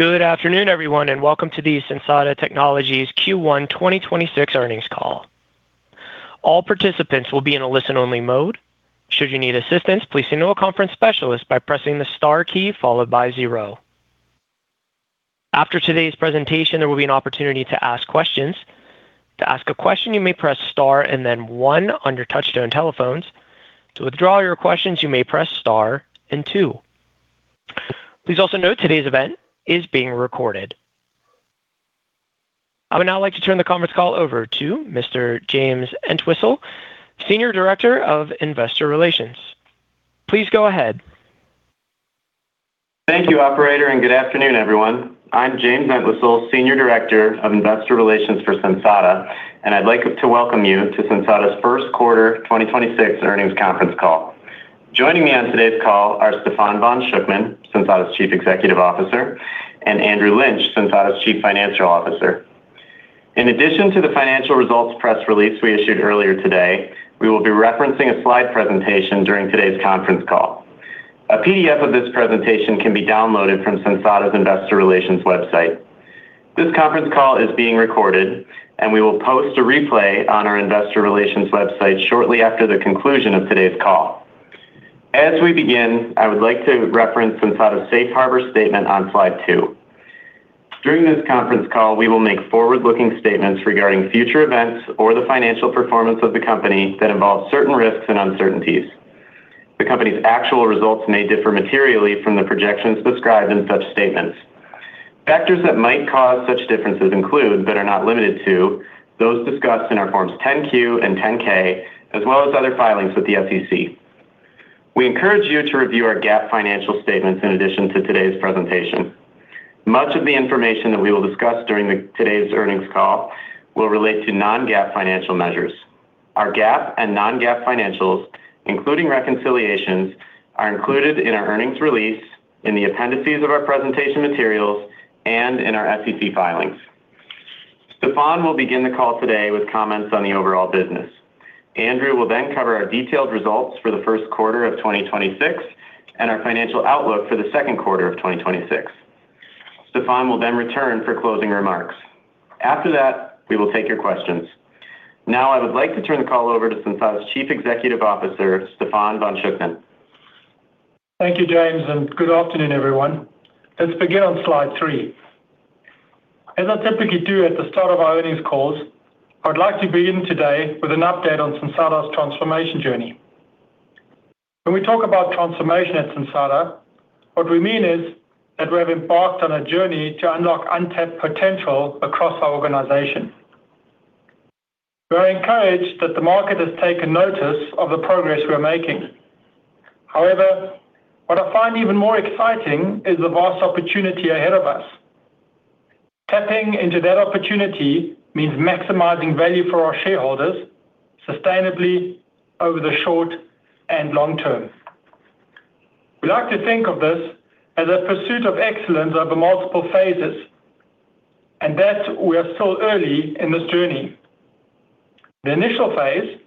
Good afternoon, everyone, and welcome to the Sensata Technologies Q1 2026 earnings call. I would now like to turn the conference call over to Mr. James Entwistle, Senior Director of Investor Relations. Please go ahead. Thank you, operator, and good afternoon, everyone. I'm James Entwistle, Senior Director of Investor Relations for Sensata, and I'd like to welcome you to Sensata's 1st quarter 2026 earnings conference call. Joining me on today's call are Stephan von Schuckmann, Sensata's Chief Executive Officer, and Andrew Lynch, Sensata's Chief Financial Officer. In addition to the financial results press release we issued earlier today, we will be referencing a slide presentation during today's Conference Call. A PDF of this presentation can be downloaded from Sensata's investor relations website. This Conference Call is being recorded, and we will post a replay on our investor relations website shortly after the conclusion of today's call. As we begin, I would like to reference Sensata's safe harbor statement on slide two. During this Conference Call, we will make forward-looking statements regarding future events or the financial performance of the company that involve certain risks and uncertainties. The company's actual results may differ materially from the projections described in such statements. Factors that might cause such differences include, but are not limited to, those discussed in our forms 10-Q and 10-K, as well as other filings with the SEC. We encourage you to review our GAAP financial statements in addition to today's presentation. Much of the information that we will discuss during today's earnings call will relate to non-GAAP financial measures. Our GAAP and non-GAAP financials, including reconciliations, are included in our earnings release, in the appendices of our presentation materials, and in our SEC filings. Stephan will begin the call today with comments on the overall business. Andrew will cover our detailed results for the first quarter of 2026 and our financial outlook for the second quarter of 2026. Stephan will return for closing remarks. After that, we will take your questions. I would like to turn the call over to Sensata's Chief Executive Officer, Stephan von Schuckmann. Thank you, James, and good afternoon, everyone. Let's begin on slide three. As I typically do at the start of our earnings calls, I'd like to begin today with an update on Sensata's transformation journey. When we talk about transformation at Sensata, what we mean is that we have embarked on a journey to unlock untapped potential across our organization. We are encouraged that the market has taken notice of the progress we are making. However, what I find even more exciting is the vast opportunity ahead of us. Tapping into that opportunity means maximizing value for our shareholders sustainably over the short and long term. We like to think of this as a pursuit of excellence over multiple phases, and that we are still early in this journey. The initial phase,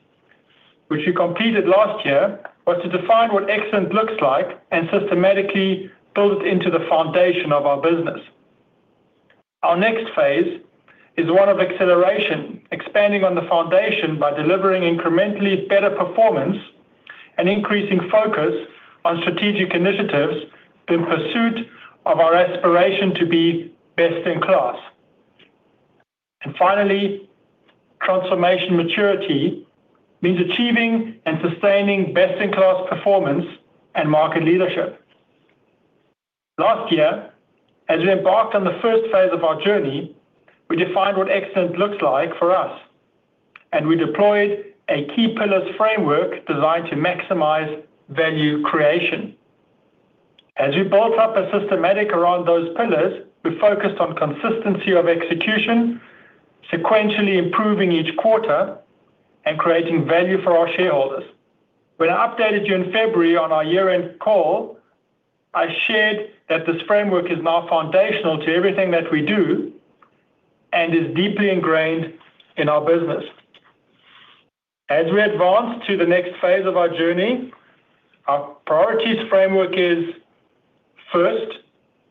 which we completed last year, was to define what excellence looks like and systematically build it into the foundation of our business. Our next phase is one of acceleration, expanding on the foundation by delivering incrementally better performance and increasing focus on strategic initiatives in pursuit of our aspiration to be best in class. Finally, transformation maturity means achieving and sustaining best-in-class performance and market leadership. Last year, as we embarked on the first phase of our journey, we defined what excellence looks like for us, and we deployed a key pillars framework designed to maximize value creation. As we built up a system around those pillars, we focused on consistency of execution, sequentially improving each quarter, and creating value for our shareholders. When I updated you in February on our year-end call, I shared that this framework is now foundational to everything that we do and is deeply ingrained in our business. As we advance to the next phase of our journey, our priorities framework is, first,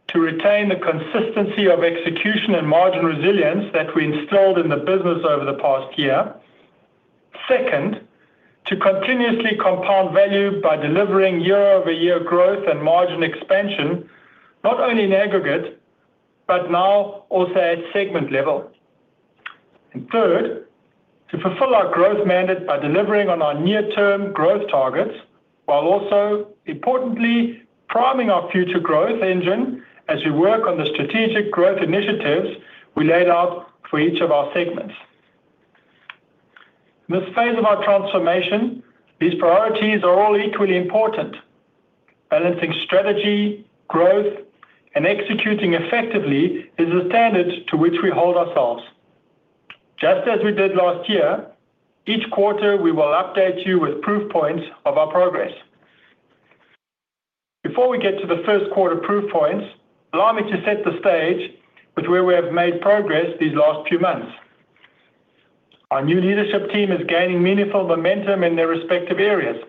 to retain the consistency of execution and margin resilience that we installed in the business over the past year. Second, to continuously compound value by delivering year-over-year growth and margin expansion, not only in aggregate, but now also at segment level. Third, to fulfill our growth mandate by delivering on our near-term growth targets, while also importantly priming our future growth engine as we work on the strategic growth initiatives we laid out for each of our segments. In this phase of our transformation, these priorities are all equally important. Balancing strategy, growth, and executing effectively is the standard to which we hold ourselves. Just as we did last year, each quarter we will update you with proof points of our progress. Before we get to the first quarter proof points, allow me to set the stage with where we have made progress these last few months. Our new leadership team is gaining meaningful momentum in their respective areas.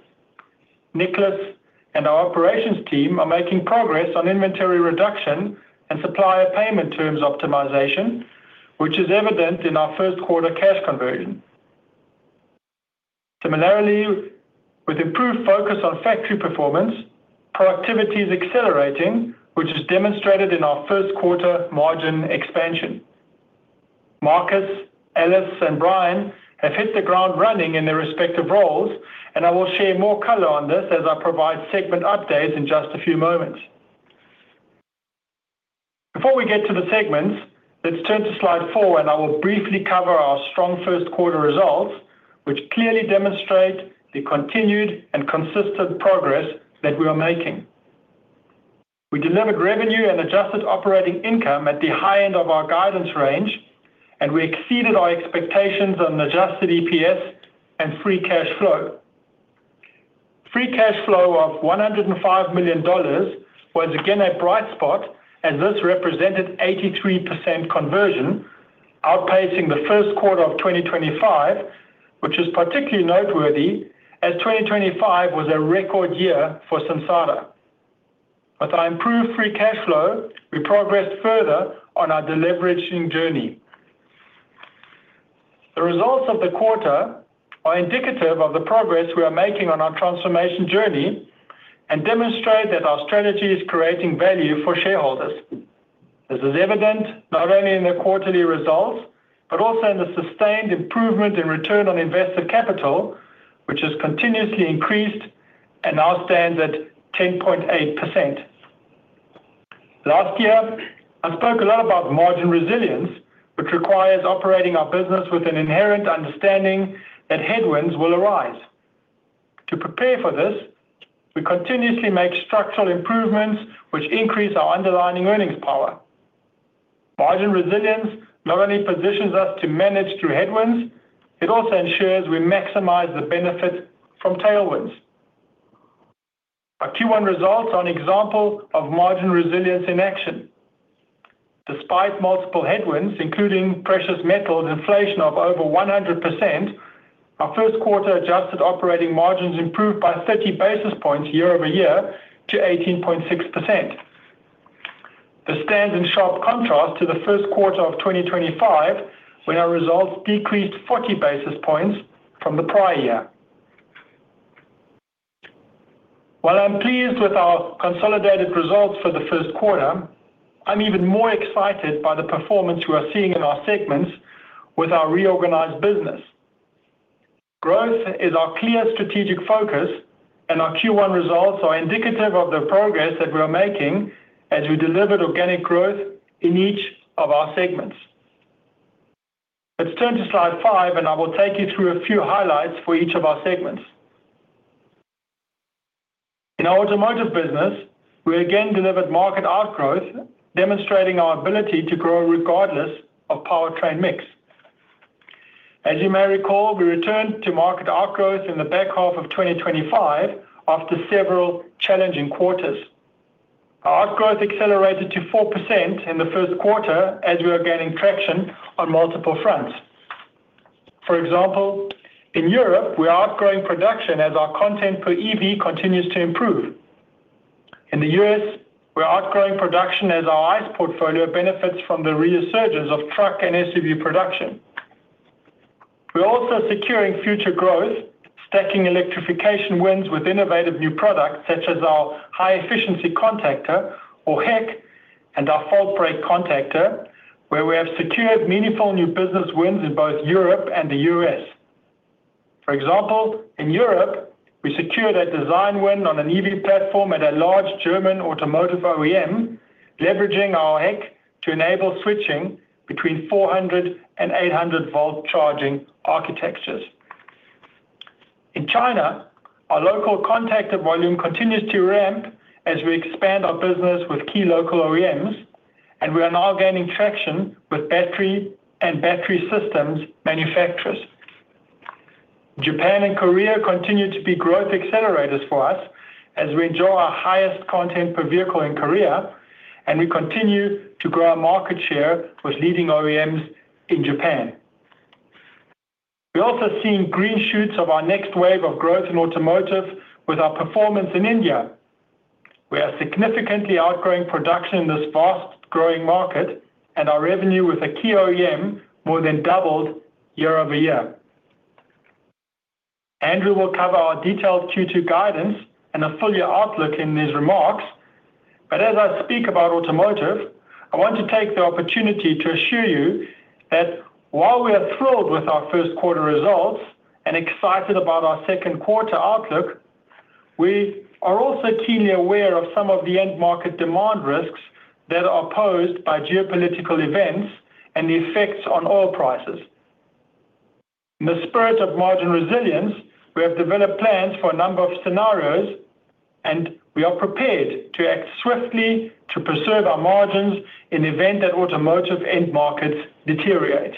Nicholas and our operations team are making progress on inventory reduction and supplier payment terms optimization, which is evident in our first quarter cash conversion. Similarly, with improved focus on factory performance, productivity is accelerating, which is demonstrated in our first quarter margin expansion. Marcus, Alice, and Brian have hit the ground running in their respective roles, and I will share more color on this as I provide segment updates in just a few moments. Before we get to the segments, let's turn to slide four. I will briefly cover our strong first quarter results, which clearly demonstrate the continued and consistent progress that we are making. We delivered revenue and adjusted operating income at the high end of our guidance range. We exceeded our expectations on adjusted EPS and free cash flow. Free cash flow of $105 million was again a bright spot. This represented 83% conversion, outpacing the first quarter of 2025, which is particularly noteworthy as 2025 was a record year for Sensata. With our improved free cash flow, we progressed further on our deleveraging journey. The results of the quarter are indicative of the progress we are making on our transformation journey and demonstrate that our strategy is creating value for shareholders. This is evident not only in the quarterly results, but also in the sustained improvement in return on invested capital, which has continuously increased and now stands at 10.8%. Last year, I spoke a lot about margin resilience, which requires operating our business with an inherent understanding that headwinds will arise. To prepare for this, we continuously make structural improvements which increase our underlying earnings power. Margin resilience not only positions us to manage through headwinds, it also ensures we maximize the benefit from tailwinds. Our Q1 results are an example of margin resilience in action. Despite multiple headwinds, including precious metals inflation of over 100%, our first quarter adjusted operating margins improved by 30 basis points year-over-year to 18.6%. This stands in sharp contrast to the first quarter of 2025, when our results decreased 40 basis points from the prior year. While I'm pleased with our consolidated results for the first quarter, I'm even more excited by the performance we are seeing in our segments with our reorganized business. Growth is our clear strategic focus, and our Q1 results are indicative of the progress that we are making as we delivered organic growth in each of our segments. Let's turn to slide five, and I will take you through a few highlights for each of our segments. In our automotive business, we again delivered market outgrowth, demonstrating our ability to grow regardless of powertrain mix. As you may recall, we returned to market outgrowth in the back half of 2025 after several challenging quarters. Our outgrowth accelerated to 4% in the first quarter as we are gaining traction on multiple fronts. For example, in Europe, we are outgrowing production as our content per EV continues to improve. In the U.S., we are outgrowing production as our ICE portfolio benefits from the resurgence of truck and SUV production. We are also securing future growth, stacking electrification wins with innovative new products such as our High Efficiency Contactor, or HEC, and our FaultBreak contactor, where we have secured meaningful new business wins in both Europe and the U.S. For example, in Europe, we secured a design win on an EV platform at a large German automotive OEM, leveraging our HEC to enable switching between 400 and 800 volt charging architectures. In China, our local contactor volume continues to ramp as we expand our business with key local OEMs, and we are now gaining traction with battery and battery systems manufacturers. Japan and Korea continue to be growth accelerators for us as we enjoy our highest content per vehicle in Korea, and we continue to grow our market share with leading OEMs in Japan. We are also seeing green shoots of our next wave of growth in automotive with our performance in India. We are significantly outgrowing production in this fast-growing market, and our revenue with a key OEM more than doubled year-over-year. Andrew will cover our detailed Q2 guidance and the full year outlook in his remarks. As I speak about automotive, I want to take the opportunity to assure you that while we are thrilled with our first quarter results and excited about our second quarter outlook, we are also keenly aware of some of the end market demand risks that are posed by geopolitical events and the effects on oil prices. In the spirit of margin resilience, we have developed plans for a number of scenarios, and we are prepared to act swiftly to preserve our margins in the event that automotive end markets deteriorate.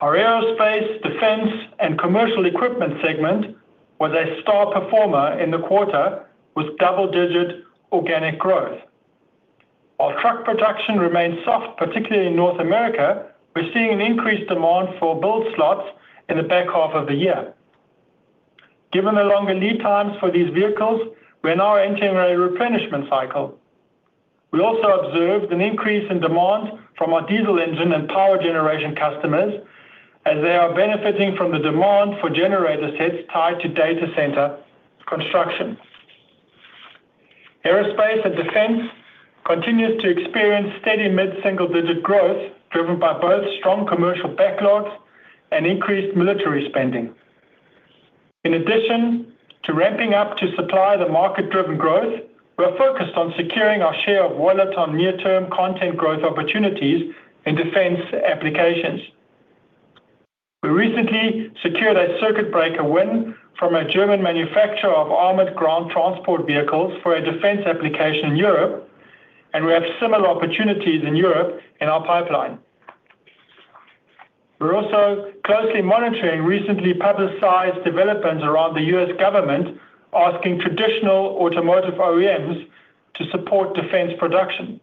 Our aerospace, defense, and commercial equipment segment was a star performer in the quarter with double-digit organic growth. While truck production remains soft, particularly in North America, we're seeing an increased demand for build slots in the back half of the year. Given the longer lead times for these vehicles, we're now entering a replenishment cycle. We also observed an increase in demand from our diesel engine and power generation customers as they are benefiting from the demand for generator sets tied to data center construction. Aerospace and defense continues to experience steady mid-single-digit growth, driven by both strong commercial backlogs and increased military spending. In addition to ramping up to supply the market-driven growth, we're focused on securing our share of wallet on near-term content growth opportunities in defense applications. We recently secured a circuit breaker win from a German manufacturer of armored ground transport vehicles for a defense application in Europe, and we have similar opportunities in Europe in our pipeline. We're also closely monitoring recently publicized developments around the U.S. government asking traditional automotive OEMs to support defense production.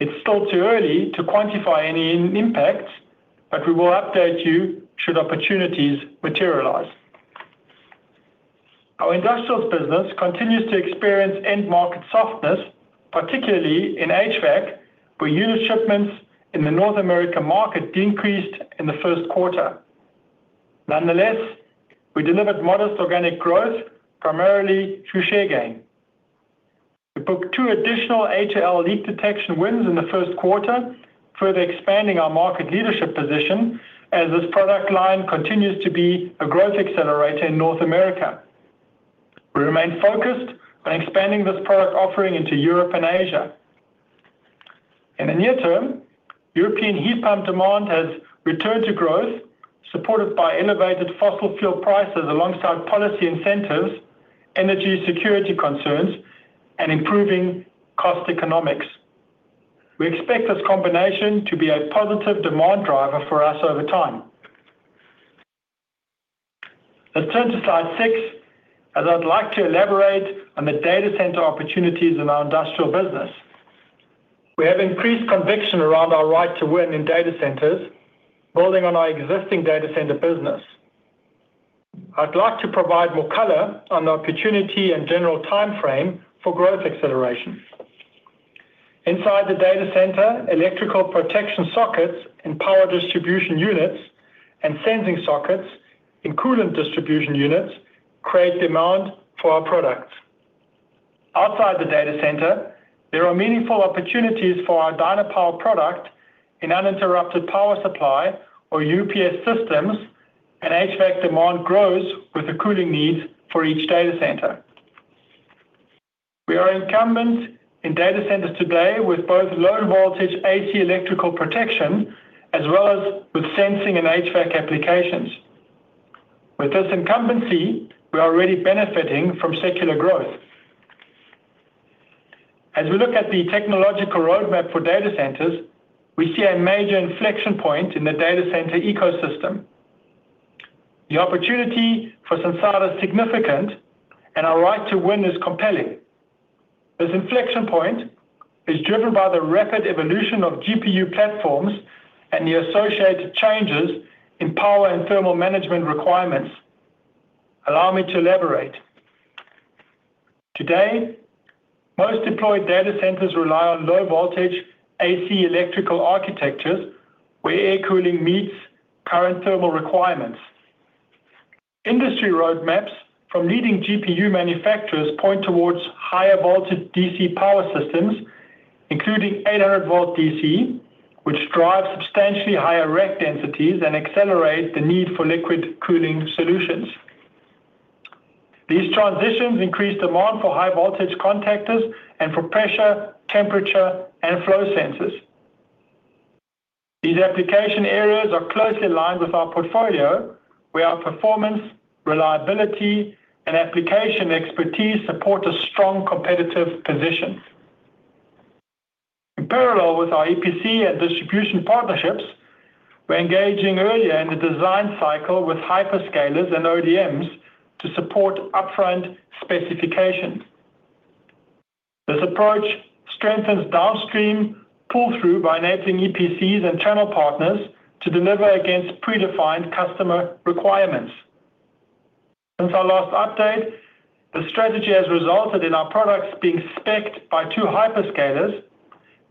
It's still too early to quantify any impacts, but we will update you should opportunities materialize. Our Industrials business continues to experience end market softness, particularly in HVAC, where unit shipments in the North American market decreased in the first quarter. Nonetheless, we delivered modest organic growth, primarily through share gain. We booked two additional HAL leak detection wins in the first quarter, further expanding our market leadership position as this product line continues to be a growth accelerator in North America. We remain focused on expanding this product offering into Europe and Asia. In the near term, European heat pump demand has returned to growth, supported by elevated fossil fuel prices alongside policy incentives, energy security concerns, and improving cost economics. We expect this combination to be a positive demand driver for us over time. Let's turn to slide six, as I'd like to elaborate on the data center opportunities in our industrial business. We have increased conviction around our right to win in data centers, building on our existing data center business. I'd like to provide more color on the opportunity and general timeframe for growth acceleration. Inside the data center, electrical protection sockets and power distribution units and sensing sockets and coolant distribution units create demand for our products. Outside the data center, there are meaningful opportunities for our Dynapower product in uninterrupted power supply or UPS systems, and HVAC demand grows with the cooling needs for each data center. We are incumbent in data centers today with both low voltage AC electrical protection as well as with sensing and HVAC applications. With this incumbency, we are already benefiting from secular growth. As we look at the technological roadmap for data centers, we see a major inflection point in the data center ecosystem. The opportunity for Sensata is significant, and our right to win is compelling. This inflection point is driven by the rapid evolution of GPU platforms and the associated changes in power and thermal management requirements. Allow me to elaborate. Today, most deployed data centers rely on low voltage AC electrical architectures where air cooling meets current thermal requirements. Industry roadmaps from leading GPU manufacturers point towards higher voltage DC power systems, including 800 volt DC, which drives substantially higher rack densities and accelerate the need for liquid cooling solutions. These transitions increase demand for high voltage contactors and for pressure, temperature, and flow sensors. These application areas are closely aligned with our portfolio, where our performance, reliability, and application expertise support a strong competitive position. In parallel with our EPC and distribution partnerships, we're engaging earlier in the design cycle with hyperscalers and ODMs to support upfront specifications. This approach strengthens downstream pull-through by enabling EPCs and channel partners to deliver against predefined customer requirements. Since our last update, the strategy has resulted in our products being specced by two hyperscalers,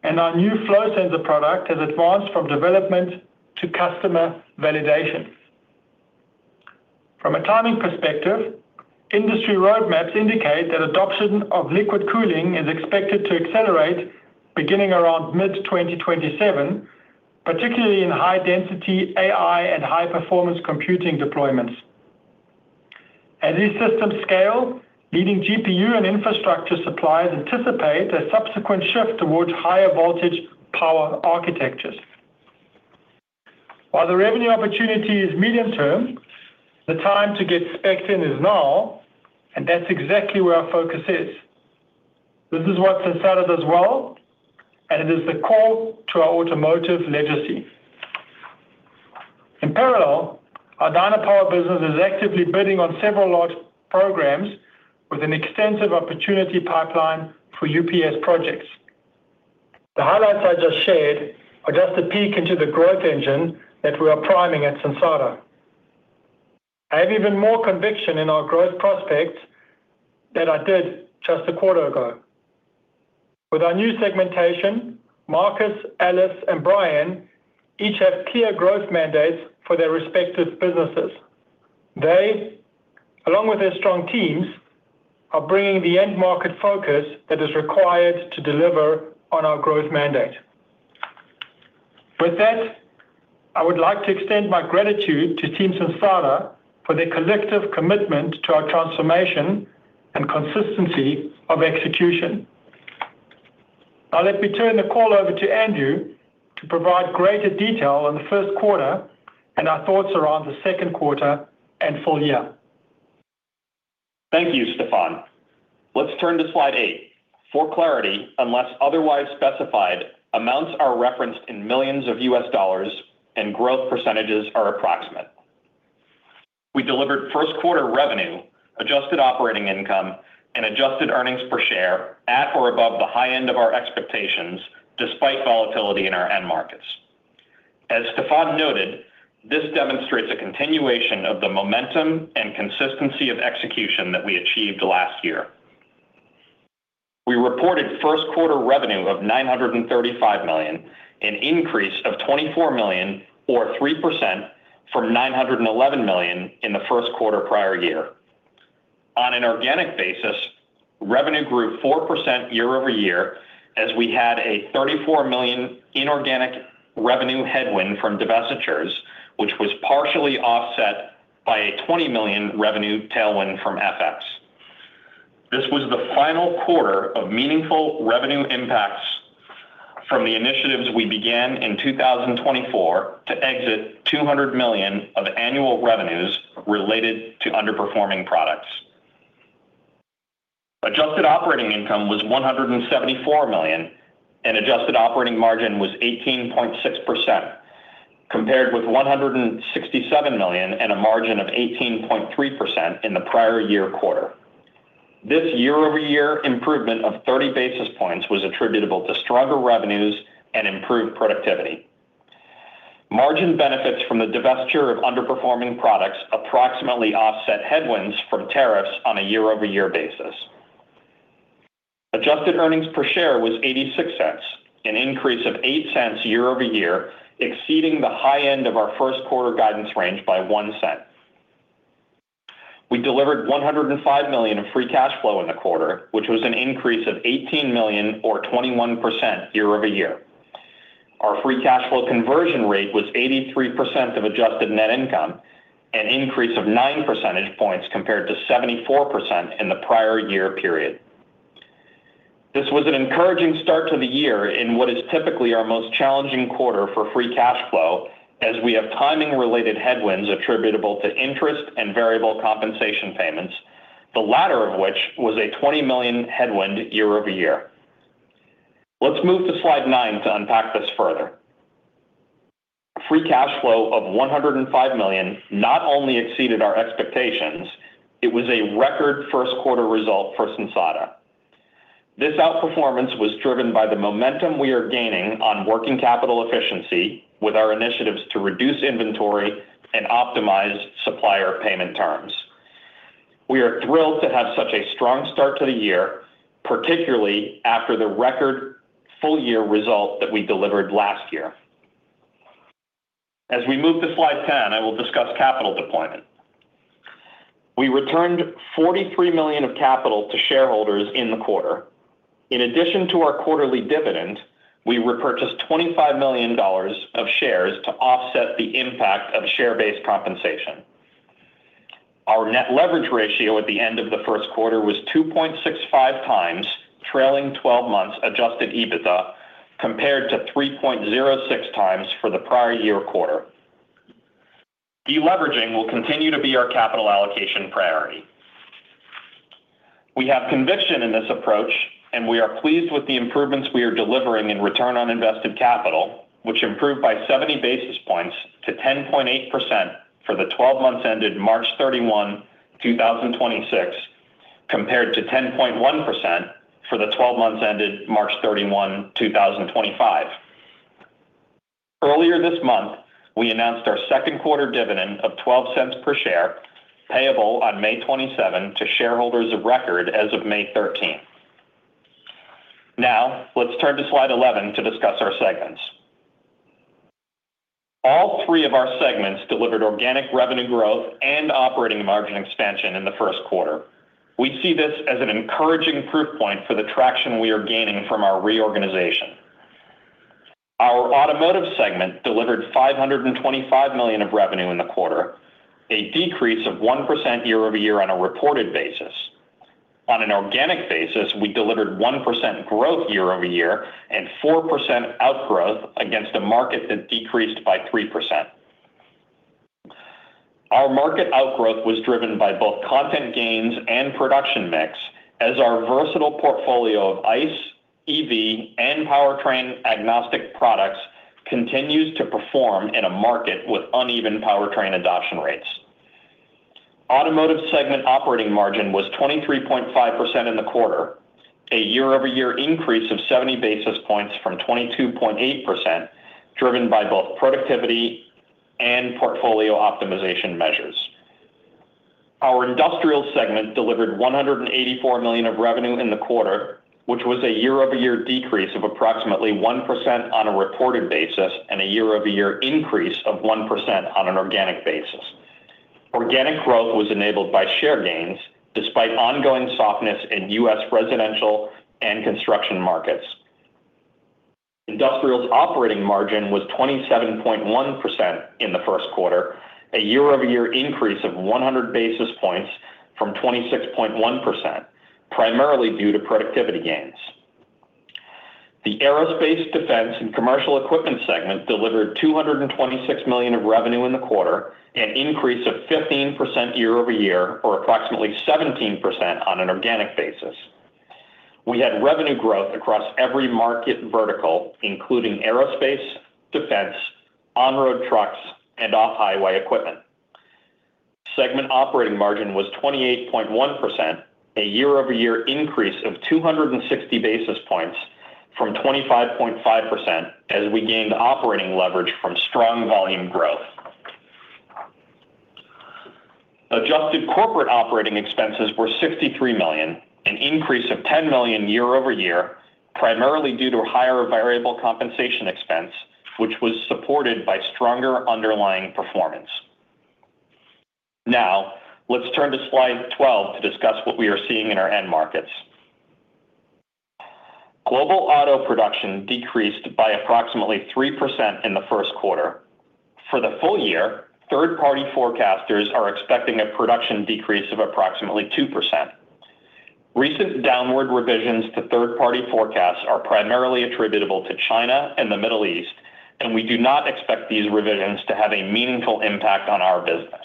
and our new flow sensor product has advanced from development to customer validation. From a timing perspective, industry roadmaps indicate that adoption of liquid cooling is expected to accelerate beginning around mid-2027, particularly in high-density AI and high-performance computing deployments. As these systems scale, leading GPU and infrastructure suppliers anticipate a subsequent shift towards higher voltage power architectures. While the revenue opportunity is medium-term, the time to get specced in is now, and that's exactly where our focus is. This is what Sensata does well, and it is the call to our automotive legacy. In parallel, our Dynapower business is actively bidding on several large programs with an extensive opportunity pipeline for UPS projects. The highlights I just shared are just a peek into the growth engine that we are priming at Sensata. I have even more conviction in our growth prospects than I did just a quarter ago. With our new segmentation, Marcus, Alice, and Brian each have clear growth mandates for their respective businesses. They, along with their strong teams, are bringing the end market focus that is required to deliver on our growth mandate. With that, I would like to extend my gratitude to Team Sensata for their collective commitment to our transformation and consistency of execution. Now let me turn the call over to Andrew to provide greater detail on the first quarter and our thoughts around the second quarter and full year. Thank you, Stephan. Let's turn to slide 8. For clarity, unless otherwise specified, amounts are referenced in millions of U.S. dollars and growth percentages are approximate. We delivered first quarter revenue, adjusted operating income, and adjusted earnings per share at or above the high end of our expectations despite volatility in our end markets. As Stephan noted, this demonstrates a continuation of the momentum and consistency of execution that we achieved last year. We reported first quarter revenue of $935 million, an increase of $24 million or 3% from $911 million in the first quarter prior year. On an organic basis, revenue grew 4% year-over-year as we had a $34 million inorganic revenue headwind from divestitures, which was partially offset by a $20 million revenue tailwind from FX. This was the final quarter of meaningful revenue impacts from the initiatives we began in 2024 to exit $200 million of annual revenues related to underperforming products. Adjusted operating income was $174 million, and adjusted operating margin was 18.6%, compared with $167 million and a margin of 18.3% in the prior year quarter. This year-over-year improvement of 30 basis points was attributable to stronger revenues and improved productivity. Margin benefits from the divestiture of underperforming products approximately offset headwinds from tariffs on a year-over-year basis. Adjusted earnings per share was $0.86, an increase of $0.08 year-over-year, exceeding the high end of our first quarter guidance range by $0.01. We delivered $105 million of free cash flow in the quarter, which was an increase of $18 million or 21% year-over-year. Our free cash flow conversion rate was 83% of adjusted net income, an increase of nine percentage points compared to 74% in the prior year period. This was an encouraging start to the year in what is typically our most challenging quarter for free cash flow, as we have timing-related headwinds attributable to interest and variable compensation payments, the latter of which was a $20 million headwind year-over-year. Let's move to slide nine to unpack this further. Free cash flow of $105 million not only exceeded our expectations, it was a record first quarter result for Sensata. This outperformance was driven by the momentum we are gaining on working capital efficiency with our initiatives to reduce inventory and optimize supplier payment terms. We are thrilled to have such a strong start to the year, particularly after the record full-year result that we delivered last year. As we move to slide 10, I will discuss capital deployment. We returned $43 million of capital to shareholders in the quarter. In addition to our quarterly dividend, we repurchased $25 million of shares to offset the impact of share-based compensation. Our net leverage ratio at the end of the first quarter was 2.65 times trailing 12 months adjusted EBITDA compared to 3.06x for the prior year quarter. Deleveraging will continue to be our capital allocation priority. We have conviction in this approach, and we are pleased with the improvements we are delivering in return on invested capital, which improved by 70 basis points to 10.8% for the 12 months ended 31st March 2026, compared to 10.1% for the 12 months ended 31st March 2025. Earlier this month, we announced our second quarter dividend of $0.12 per share, payable on 27th May to shareholders of record as of 13th May.Now let's turn to slide 11 to discuss our segments. All three of our segments delivered organic revenue growth and operating margin expansion in the first quarter. We see this as an encouraging proof point for the traction we are gaining from our reorganization. Our automotive segment delivered $525 million of revenue in the quarter, a decrease of 1% year-over-year on a reported basis. On an organic basis, we delivered 1% growth year-over-year and 4% outgrowth against a market that decreased by 3%. Our market outgrowth was driven by both content gains and production mix as our versatile portfolio of ICE, EV, and powertrain agnostic products continues to perform in a market with uneven powertrain adoption rates. Automotive segment operating margin was 23.5% in the quarter, a year-over-year increase of 70 basis points from 22.8%, driven by both productivity and portfolio optimization measures. Our Industrial segment delivered $184 million of revenue in the quarter, which was a year-over-year decrease of approximately 1% on a reported basis and a year-over-year increase of 1% on an organic basis. Organic growth was enabled by share gains despite ongoing softness in U.S. residential and construction markets. Industrial's operating margin was 27.1% in the first quarter, a year-over-year increase of 100 basis points from 26.1%, primarily due to productivity gains. The Aerospace, Defense, and Commercial Equipment segment delivered $226 million of revenue in the quarter, an increase of 15% year-over-year or approximately 17% on an organic basis. We had revenue growth across every market vertical, including Aerospace, Defense, on-road trucks, and off-highway equipment. Segment operating margin was 28.1%, a year-over-year increase of 260 basis points from 25.5% as we gained operating leverage from strong volume growth. Adjusted corporate operating expenses were $63 million, an increase of $10 million year-over-year, primarily due to higher variable compensation expense, which was supported by stronger underlying performance. Let's turn to slide 12 to discuss what we are seeing in our end markets. Global auto production decreased by approximately 3% in the first quarter. For the full year, third-party forecasters are expecting a production decrease of approximately 2%. Recent downward revisions to third-party forecasts are primarily attributable to China and the Middle East, we do not expect these revisions to have a meaningful impact on our business.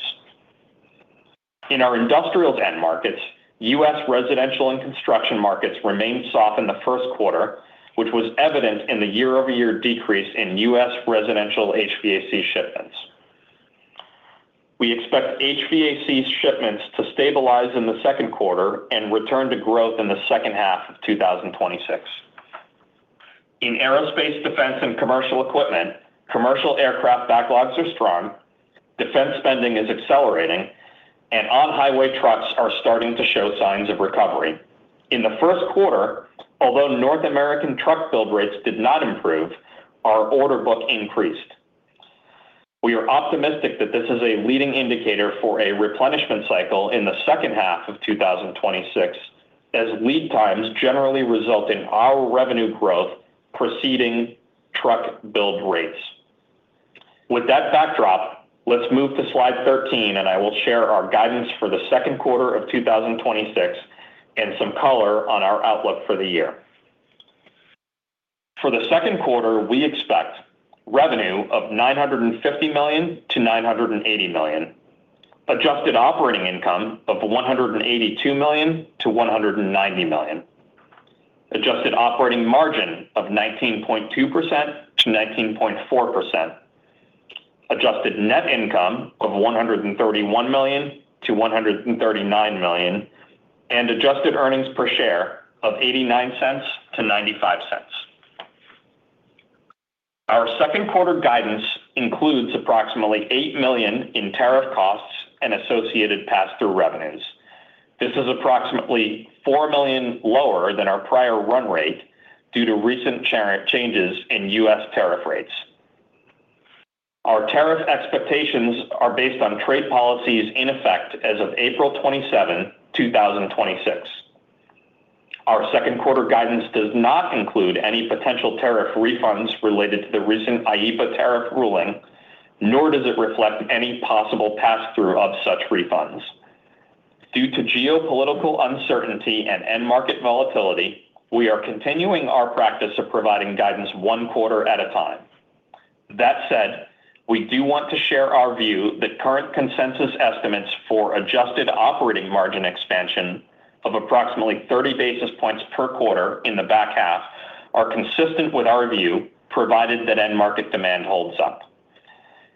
In our industrials end markets, U.S. residential and construction markets remained soft in the first quarter, which was evident in the year-over-year decrease in U.S. residential HVAC shipments. We expect HVAC shipments to stabilize in the second quarter and return to growth in the second half of 2026. In aerospace, defense, and commercial equipment, commercial aircraft backlogs are strong, defense spending is accelerating, and on-highway trucks are starting to show signs of recovery. In the first quarter, although North American truck build rates did not improve, our order book increased. We are optimistic that this is a leading indicator for a replenishment cycle in the second half of 2026 as lead times generally result in our revenue growth preceding truck build rates. With that backdrop, let's move to slide 13 and I will share our guidance for the second quarter of 2026 and some color on our outlook for the year. For the second quarter, we expect revenue of $950 million-$980 million. Adjusted operating income of $182 million-$190 million. Adjusted operating margin of 19.2%-19.4%. Adjusted net income of $131 million-$139 million. Adjusted earnings per share of $0.89-$0.95. Our second quarter guidance includes approximately $8 million in tariff costs and associated passthrough revenues. This is approximately $4 million lower than our prior run rate due to recent changes in U.S. tariff rates. Our tariff expectations are based on trade policies in effect as of 27th April 2026. Our second quarter guidance does not include any potential tariff refunds related to the recent IEEPA tariff ruling, nor does it reflect any possible passthrough of such refunds. Due to geopolitical uncertainty and end market volatility, we are continuing our practice of providing guidance one quarter at a time. That said, we do want to share our view that current consensus estimates for adjusted operating margin expansion of approximately 30 basis points per quarter in the back half are consistent with our view, provided that end market demand holds up.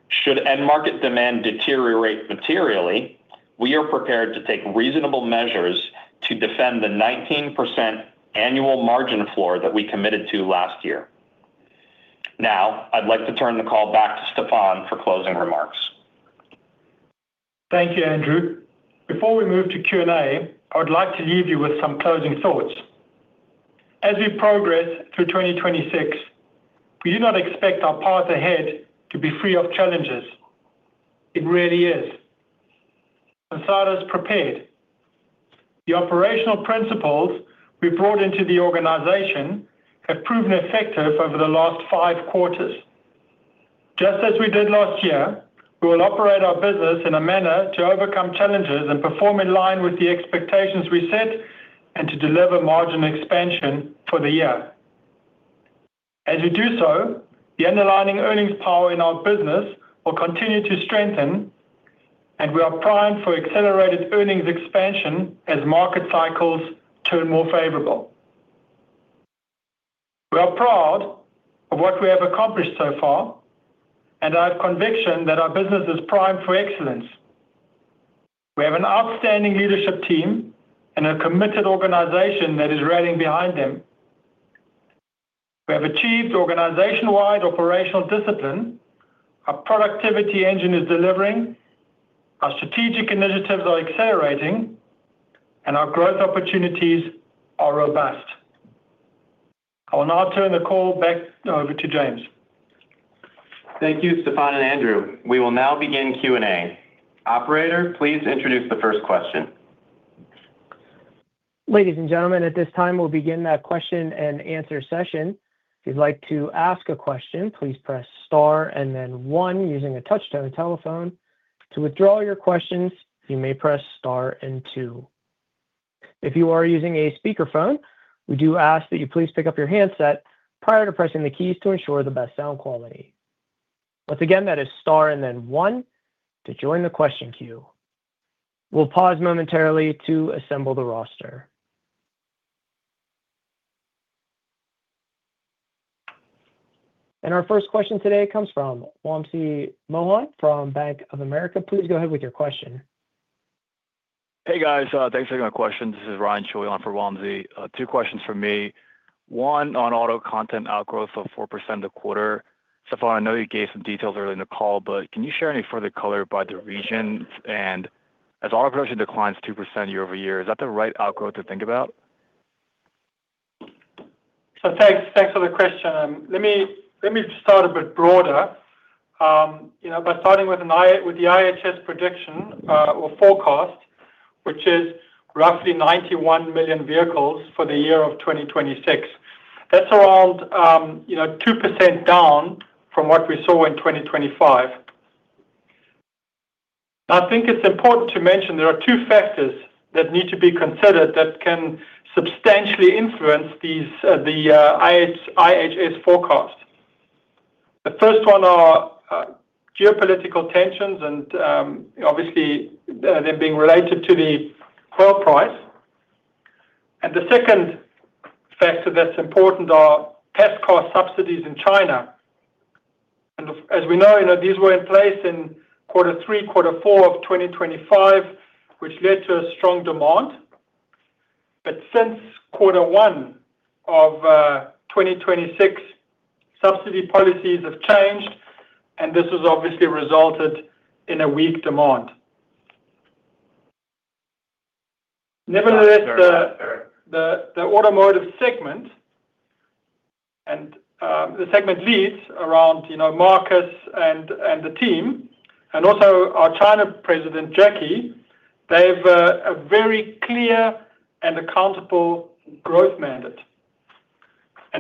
Should end market demand deteriorate materially, we are prepared to take reasonable measures to defend the 19% annual margin floor that we committed to last year. Now, I'd like to turn the call back to Stephan for closing remarks. Thank you, Andrew. Before we move to Q&A, I would like to leave you with some closing thoughts. As we progress through 2026, we do not expect our path ahead to be free of challenges. It rarely is. Sensata is prepared. The operational principles we've brought into the organization have proven effective over the last five quarters. Just as we did last year, we will operate our business in a manner to overcome challenges and perform in line with the expectations we set and to deliver margin expansion for the year. As we do so, the underlying earnings power in our business will continue to strengthen, and we are primed for accelerated earnings expansion as market cycles turn more favorable. We are proud of what we have accomplished so far, and I have conviction that our business is primed for excellence. We have an outstanding leadership team and a committed organization that is rallying behind them. We have achieved organization-wide operational discipline. Our productivity engine is delivering, our strategic initiatives are accelerating, and our growth opportunities are robust. I will now turn the call back over to James. Thank you, Stephan and Andrew. We will now begin Q&A. Operator, please introduce the first question. Ladies and gentlemen, at this time, we'll begin that question and answer session. If you'd like to ask a question, please press star and then one using a touch-tone telephone. To withdraw your questions, you may press star and two. If you are using a speakerphone, we do ask that you please pick up your handset prior to pressing the keys to ensure the best sound quality. Once again, that is star and then one to join the question queue. We'll pause momentarily to assemble the roster. Our first question today comes from Wamsi Mohan from Bank of America. Please go ahead with your question. Hey, guys. Thanks for taking my question. This is Ryan Shay on for Wamsi Mohan. Two questions from me. One on auto content outgrowth of 4% a quarter. Stephan von Schuckmann, I know you gave some details earlier in the call, but can you share any further color by the regions? As auto production declines 2% year-over-year, is that the right outgrowth to think about? Thanks, thanks for the question. Let me start a bit broader, you know, by starting with the IHS prediction or forecast, which is roughly 91 million vehicles for the year of 2026. That's around, you know, 2% down from what we saw in 2025. I think it's important to mention there are two factors that need to be considered that can substantially influence these, the IHS forecast. The first one are geopolitical tensions and obviously, them being related to the oil price. The second factor that's important are test cost subsidies in China. As we know, you know, these were in place in Q3, Q4 of 2025, which led to a strong demand. Since quarter one of 2026, subsidy policies have changed, and this has obviously resulted in a weak demand. Nevertheless, the automotive segment and the segment leads around, you know, Marcus and the team, and also our China president, Jackie, they have a very clear and accountable growth mandate.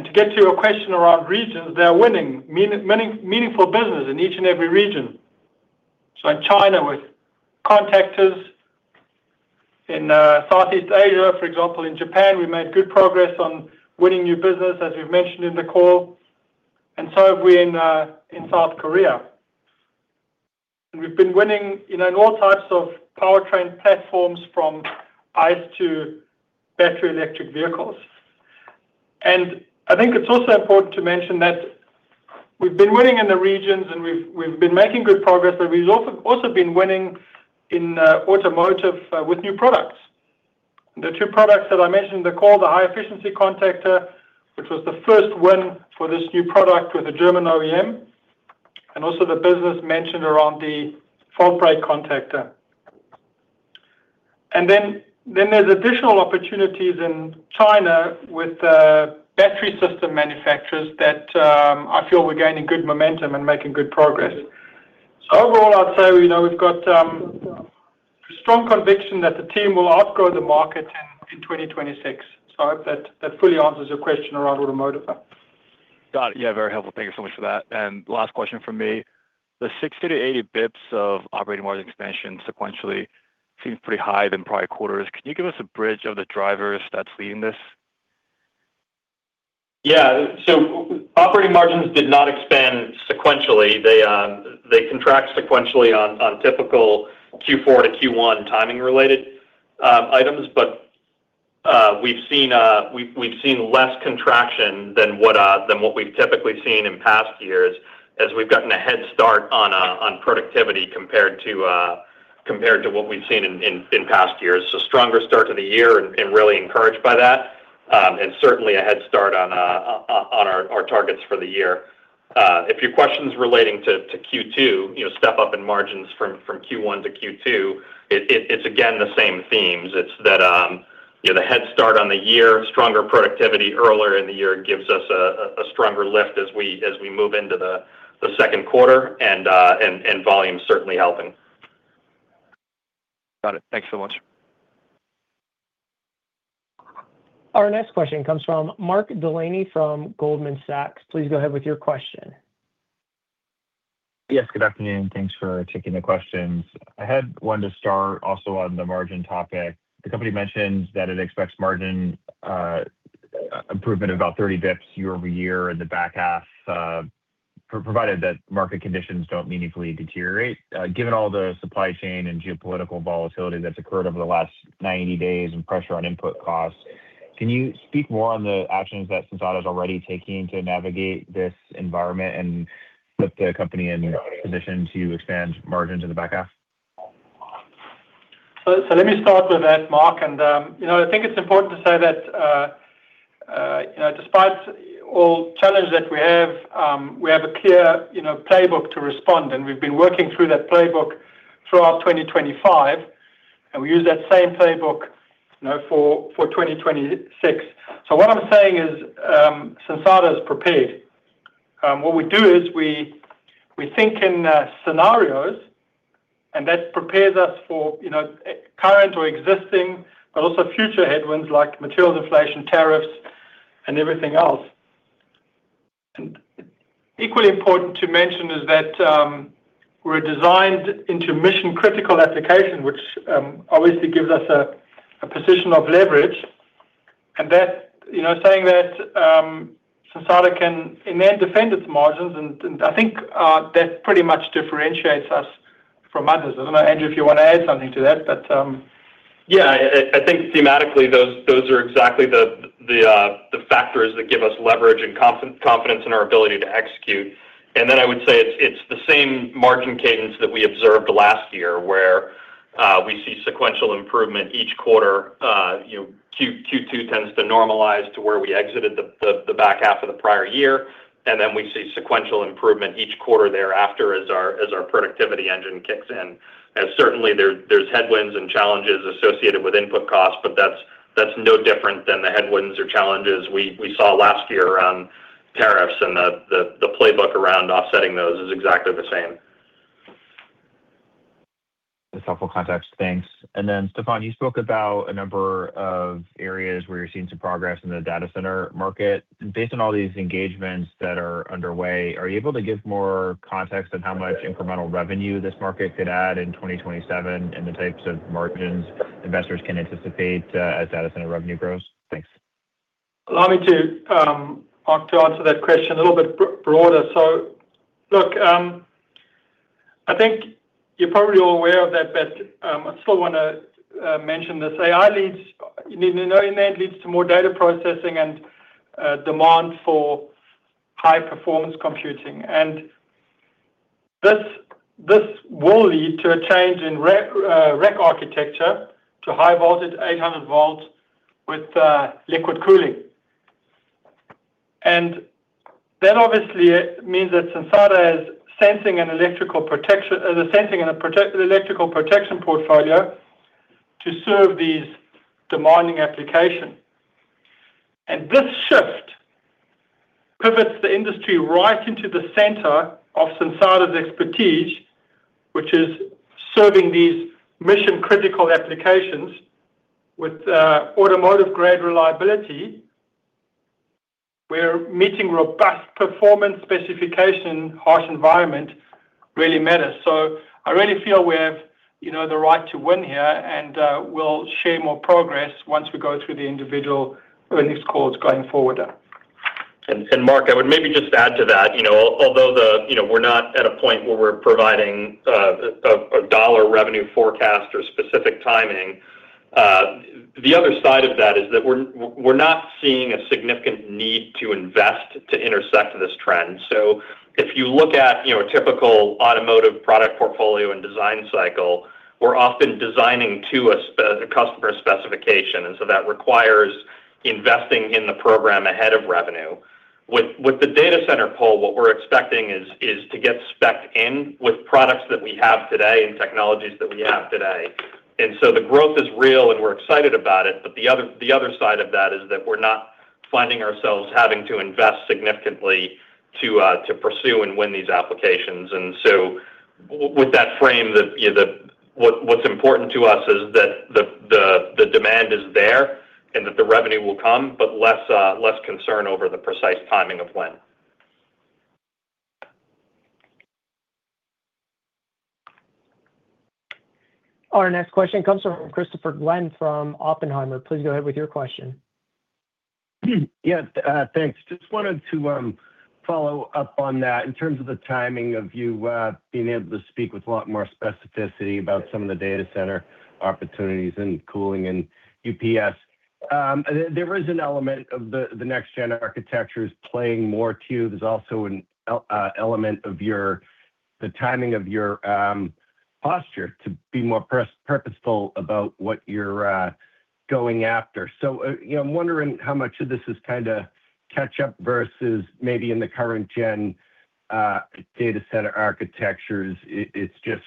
To get to your question around regions, they are winning meaningful business in each and every region. In China, with contactors. In Southeast Asia, for example, in Japan, we made good progress on winning new business, as we've mentioned in the call, and so have we in South Korea. We've been winning, you know, in all types of powertrain platforms from ICE to battery electric vehicles. I think it's also important to mention that we've been winning in the regions and we've been making good progress, but we've also been winning in automotive with new products. The two products that I mentioned in the call, the High Efficiency Contactor, which was the first win for this new product with the German OEM, and also the business mentioned around the FaultBreak contactor. Then there's additional opportunities in China with the battery system manufacturers that I feel we're gaining good momentum and making good progress. Overall, I'd say, you know, we've got strong conviction that the team will outgrow the market in 2026. I hope that that fully answers your question around automotive. Got it. Yeah, very helpful. Thank you so much for that. Last question from me. The 60-80 basis points of operating margin expansion sequentially seems pretty high than prior quarters. Can you give us a bridge of the drivers that's leading this? Yeah. Operating margins did not expand sequentially. They contract sequentially on typical Q4-Q1 timing related items. We've seen less contraction than what we've typically seen in past years as we've gotten a head start on productivity compared to what we've seen in past years. Stronger start to the year and really encouraged by that. Certainly a head start on our targets for the year. If your question's relating to Q2, you know, step up in margins from Q1-Q2, it's again, the same themes. It's that, you know, the head start on the year, stronger productivity earlier in the year gives us a stronger lift as we move into the second quarter and volume certainly helping. Got it. Thanks so much. Our next question comes from Mark Delaney from Goldman Sachs. Please go ahead with your question. Yes, good afternoon. Thanks for taking the questions. I had one to start also on the margin topic. The company mentioned that it expects margin improvement of about 30 bps year-over-year in the back half, provided that market conditions don't meaningfully deteriorate. Given all the supply chain and geopolitical volatility that's occurred over the last 90 days and pressure on input costs, can you speak more on the actions that Sensata is already taking to navigate this environment and put the company in a position to expand margins in the back half? Let me start with that, Mark. You know, I think it's important to say that, you know, despite all challenge that we have, we have a clear, you know, playbook to respond, and we've been working through that playbook throughout 2025, and we use that same playbook, you know, for 2026. What I'm saying is, Sensata is prepared. What we do is we think in scenarios, and that prepares us for, you know, current or existing, but also future headwinds like materials inflation, tariffs, and everything else. Equally important to mention is that, we're designed into mission-critical application, which obviously gives us a position of leverage. That, you know, saying that, Sensata can, it may defend its margins. I think that pretty much differentiates us from others. I don't know, Andrew, if you want to add something to that. Yeah. I think thematically, those are exactly the factors that give us leverage and confidence in our ability to execute. I would say it's the same margin cadence that we observed last year, where we see sequential improvement each quarter. You know, Q2 tends to normalize to where we exited the back half of the prior year. We see sequential improvement each quarter thereafter as our productivity engine kicks in. Certainly, there's headwinds and challenges associated with input costs, but that's no different than the headwinds or challenges we saw last year around tariffs. The playbook around offsetting those is exactly the same. That's helpful context. Thanks. Stephan, you spoke about a number of areas where you're seeing some progress in the data center market. Based on all these engagements that are underway, are you able to give more context on how much incremental revenue this market could add in 2027 and the types of margins investors can anticipate as data center revenue grows? Thanks. Allow me to, Mark, to answer that question a little bit broader. I think you're probably all aware of that, but I still wanna mention this. AI leads, you know, in the end, leads to more data processing and demand for high-performance computing. This will lead to a change in rec architecture to high voltage, 800 volts with liquid cooling. That obviously means that Sensata is sensing an electrical protection, the sensing and electrical protection portfolio to serve these demanding application. This shift pivots the industry right into the center of Sensata's expertise, which is serving these mission-critical applications with automotive-grade reliability, where meeting robust performance specification, harsh environment really matters. I really feel we have, you know, the right to win here, and we'll share more progress once we go through the individual earnings calls going forward. Mark, I would maybe just add to that. You know, although the, you know, we're not at a point where we're providing a dollar revenue forecast or specific timing, the other side of that is that we're not seeing a significant need to invest to intersect this trend. If you look at, you know, a typical automotive product portfolio and design cycle, we're often designing to a customer specification. That requires investing in the program ahead of revenue. With the data center pull, what we're expecting is to get spec'd in with products that we have today and technologies that we have today. The growth is real, and we're excited about it. The other side of that is that we're not finding ourselves having to invest significantly to pursue and win these applications. With that frame that, you know, what's important to us is that the demand is there and that the revenue will come, but less concern over the precise timing of when. Our next question comes from Christopher Glynn from Oppenheimer. Please go ahead with your question. Yeah, thanks. Just wanted to follow up on that in terms of the timing of you being able to speak with a lot more specificity about some of the data center opportunities in cooling and UPS. There is an element of the next gen architectures playing more to. There's also an element of your, the timing of your posture to be more purposeful about what you're going after. You know, I'm wondering how much of this is kinda catch up versus maybe in the current gen data center architectures, it's just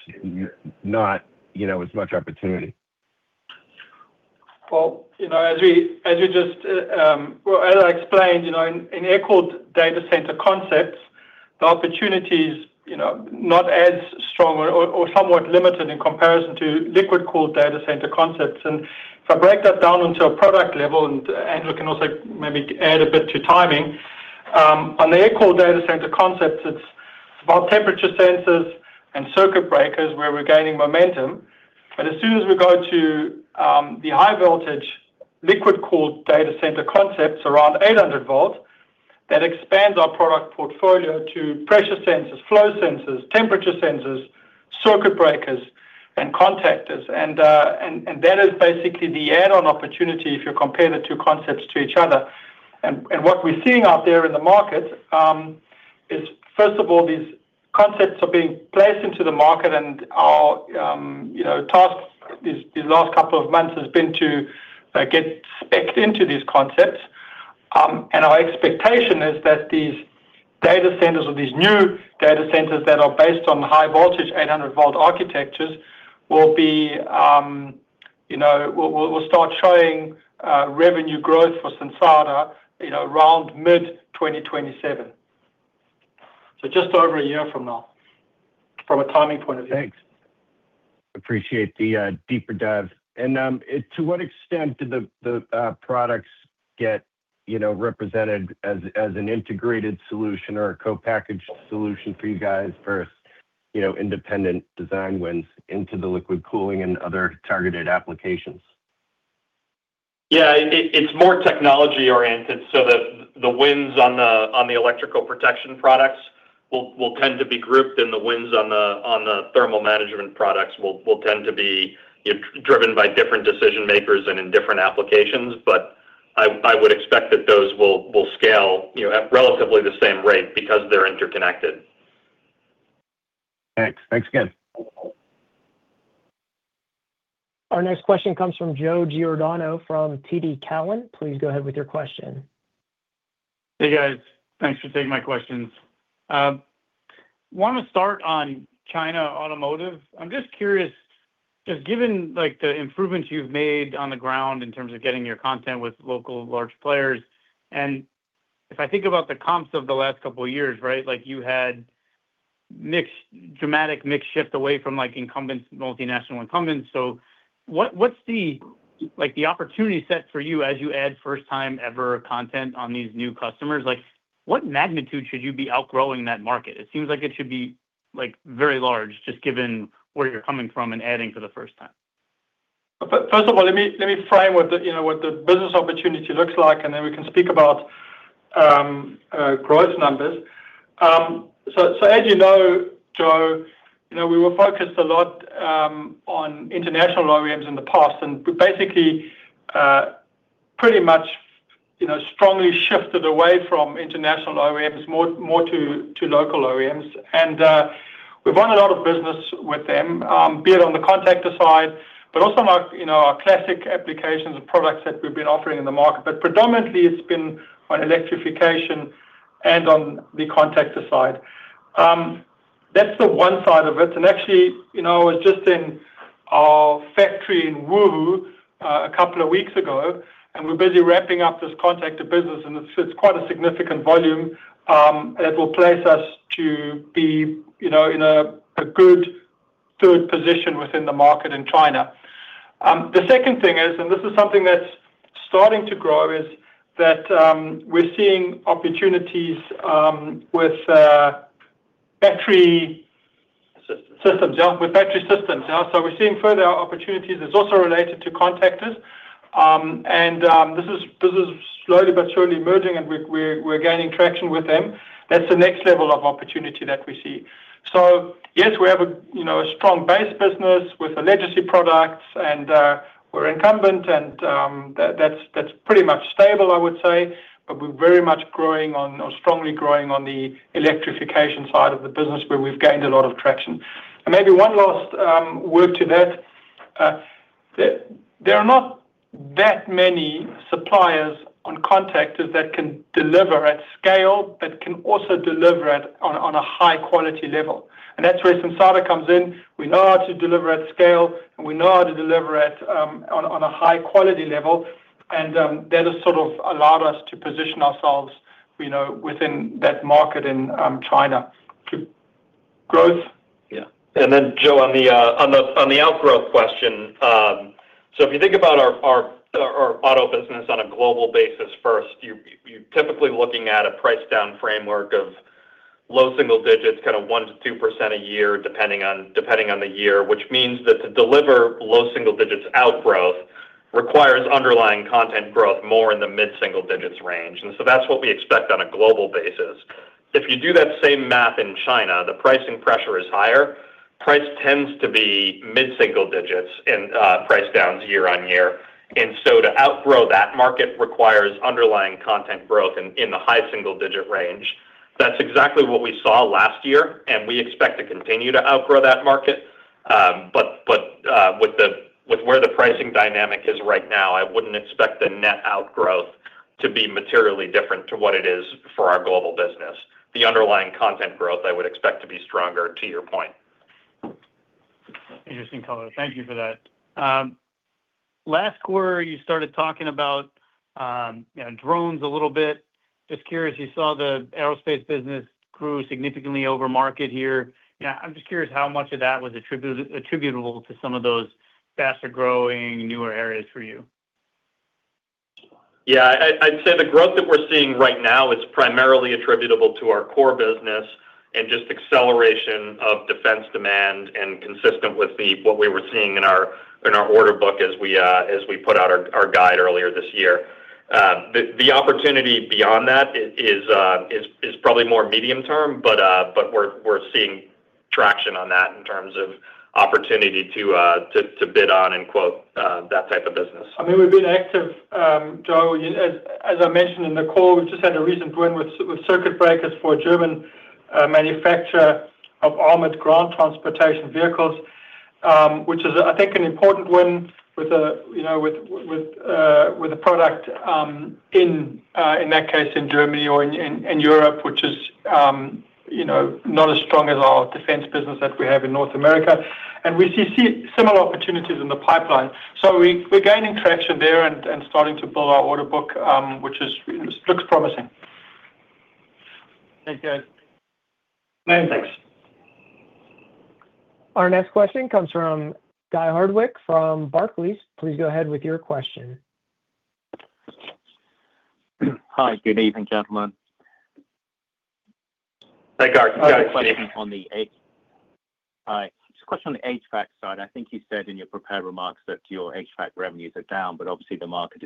not, you know, as much opportunity. You know, as we just, as I explained, you know, in air-cooled data center concepts, the opportunity is, you know, not as stronger or somewhat limited in comparison to liquid-cooled data center concepts. If I break that down onto a product level, Andrew can also maybe add a bit to timing, on the air-cooled data center concepts, it's about temperature sensors and circuit breakers where we're gaining momentum. As soon as we go to the high voltage liquid-cooled data center concepts around 800 volts, that expands our product portfolio to pressure sensors, flow sensors, temperature sensors, circuit breakers, and contactors. And that is basically the add-on opportunity if you compare the two concepts to each other. What we're seeing out there in the market, is first of all, these concepts are being placed into the market and our, you know, task these last couple of months has been to get specced into these concepts. Our expectation is that these data centers or these new data centers that are based on the high voltage 800 volt architectures will be, you know, will start showing revenue growth for Sensata, you know, around mid-2027. So just over a year from now, from a timing point of view. Thanks. Appreciate the deeper dive. To what extent do the products get, you know, represented as an integrated solution or a co-packaged solution for you guys versus, you know, independent design wins into the liquid cooling and other targeted applications? Yeah. It's more technology-oriented that the wins on the electrical protection products will tend to be grouped, and the wins on the thermal management products will tend to be driven by different decision makers and in different applications. I would expect that those will scale, you know, at relatively the same rate because they're interconnected. Thanks. Thanks again. Our next question comes from Joe Giordano from TD Cowen. Please go ahead with your question. Hey, guys. Thanks for taking my questions. I want to start on China automotive. I'm just curious, just given like the improvements you've made on the ground in terms of getting your content with local large players, and if I think about the comps of the last couple of years, right? Like you had dramatic mixed shift away from like incumbents, multinational incumbents. What's the, like the opportunity set for you as you add first time ever content on these new customers? Like, what magnitude should you be outgrowing that market? It seems like it should be like very large, just given where you're coming from and adding for the first time. First of all, let me frame what the, you know, what the business opportunity looks like, and then we can speak about growth numbers. As you know, Joe, you know, we were focused a lot on international OEMs in the past, and we basically, pretty much, you know, strongly shifted away from international OEMs more to local OEMs. We've won a lot of business with them, be it on the contactor side, but also like, you know, our classic applications and products that we've been offering in the market. Predominantly it's been on electrification and on the contactor side. That's the one side of it. Actually, you know, I was just in our factory in Wuxi a couple of weeks ago, and we're busy wrapping up this contactor business, and it's quite a significant volume, that will place us to be, you know, in a good third position within the market in China. The second thing is, this is something that's starting to grow, is that, we're seeing opportunities, with, battery systems. Yeah, with battery systems now. We're seeing further opportunities. It's also related to contactors. This is slowly but surely emerging, and we're gaining traction with them. That's the next level of opportunity that we see. Yes, we have a, you know, a strong base business with the legacy products and, we're incumbent and, that's pretty much stable, I would say. We're very much strongly growing on the electrification side of the business where we've gained a lot of traction. Maybe one last word to that. There are not that many suppliers on contactors that can deliver at scale but can also deliver on a high quality level. That's where Sensata comes in. We know how to deliver at scale, and we know how to deliver on a high quality level. That has sort of allowed us to position ourselves, you know, within that market in China. To growth? Yeah. Joe, on the, on the, on the outgrowth question. If you think about our auto business on a global basis first, you're typically looking at a price down framework of low single digits, kind of 1%-2% a year depending on, depending on the year. Which means that to deliver low single digits outgrowth requires underlying content growth more in the mid single digits range. That's what we expect on a global basis. If you do that same math in China, the pricing pressure is higher. Price tends to be mid single digits in price downs year on year. To outgrow that market requires underlying content growth in the high single digit range. That's exactly what we saw last year, and we expect to continue to outgrow that market. Where the pricing dynamic is right now, I wouldn't expect the net outgrowth to be materially different to what it is for our global business. The underlying content growth I would expect to be stronger to your point. Interesting color. Thank you for that. Last quarter, you started talking about, you know, drones a little bit. Just curious, you saw the aerospace business grew significantly over market here. I'm just curious how much of that was attributable to some of those faster-growing newer areas for you. Yeah. I'd say the growth that we're seeing right now is primarily attributable to our core business and just acceleration of defense demand and consistent with what we were seeing in our order book as we put out our guide earlier this year. The opportunity beyond that is probably more medium term, but we're seeing traction on that in terms of opportunity to bid on and quote that type of business. I mean, we've been active, Joe. As I mentioned in the call, we just had a recent win with circuit breakers for a German manufacturer of armored ground transportation vehicles, which is, I think, an important win with a product in that case, in Germany or in Europe, which is, you know, not as strong as our defense business that we have in North America. We see similar opportunities in the pipeline. We're gaining traction there and starting to build our order book, which looks promising. Thanks, guys. No, thanks. Our next question comes from Guy Hardwick from Barclays. Please go ahead with your question. Hi. Good evening, gentlemen. Hey, Guy. I have a question on the HVAC side. I think you said in your prepared remarks that your HVAC revenues are down. Obviously the market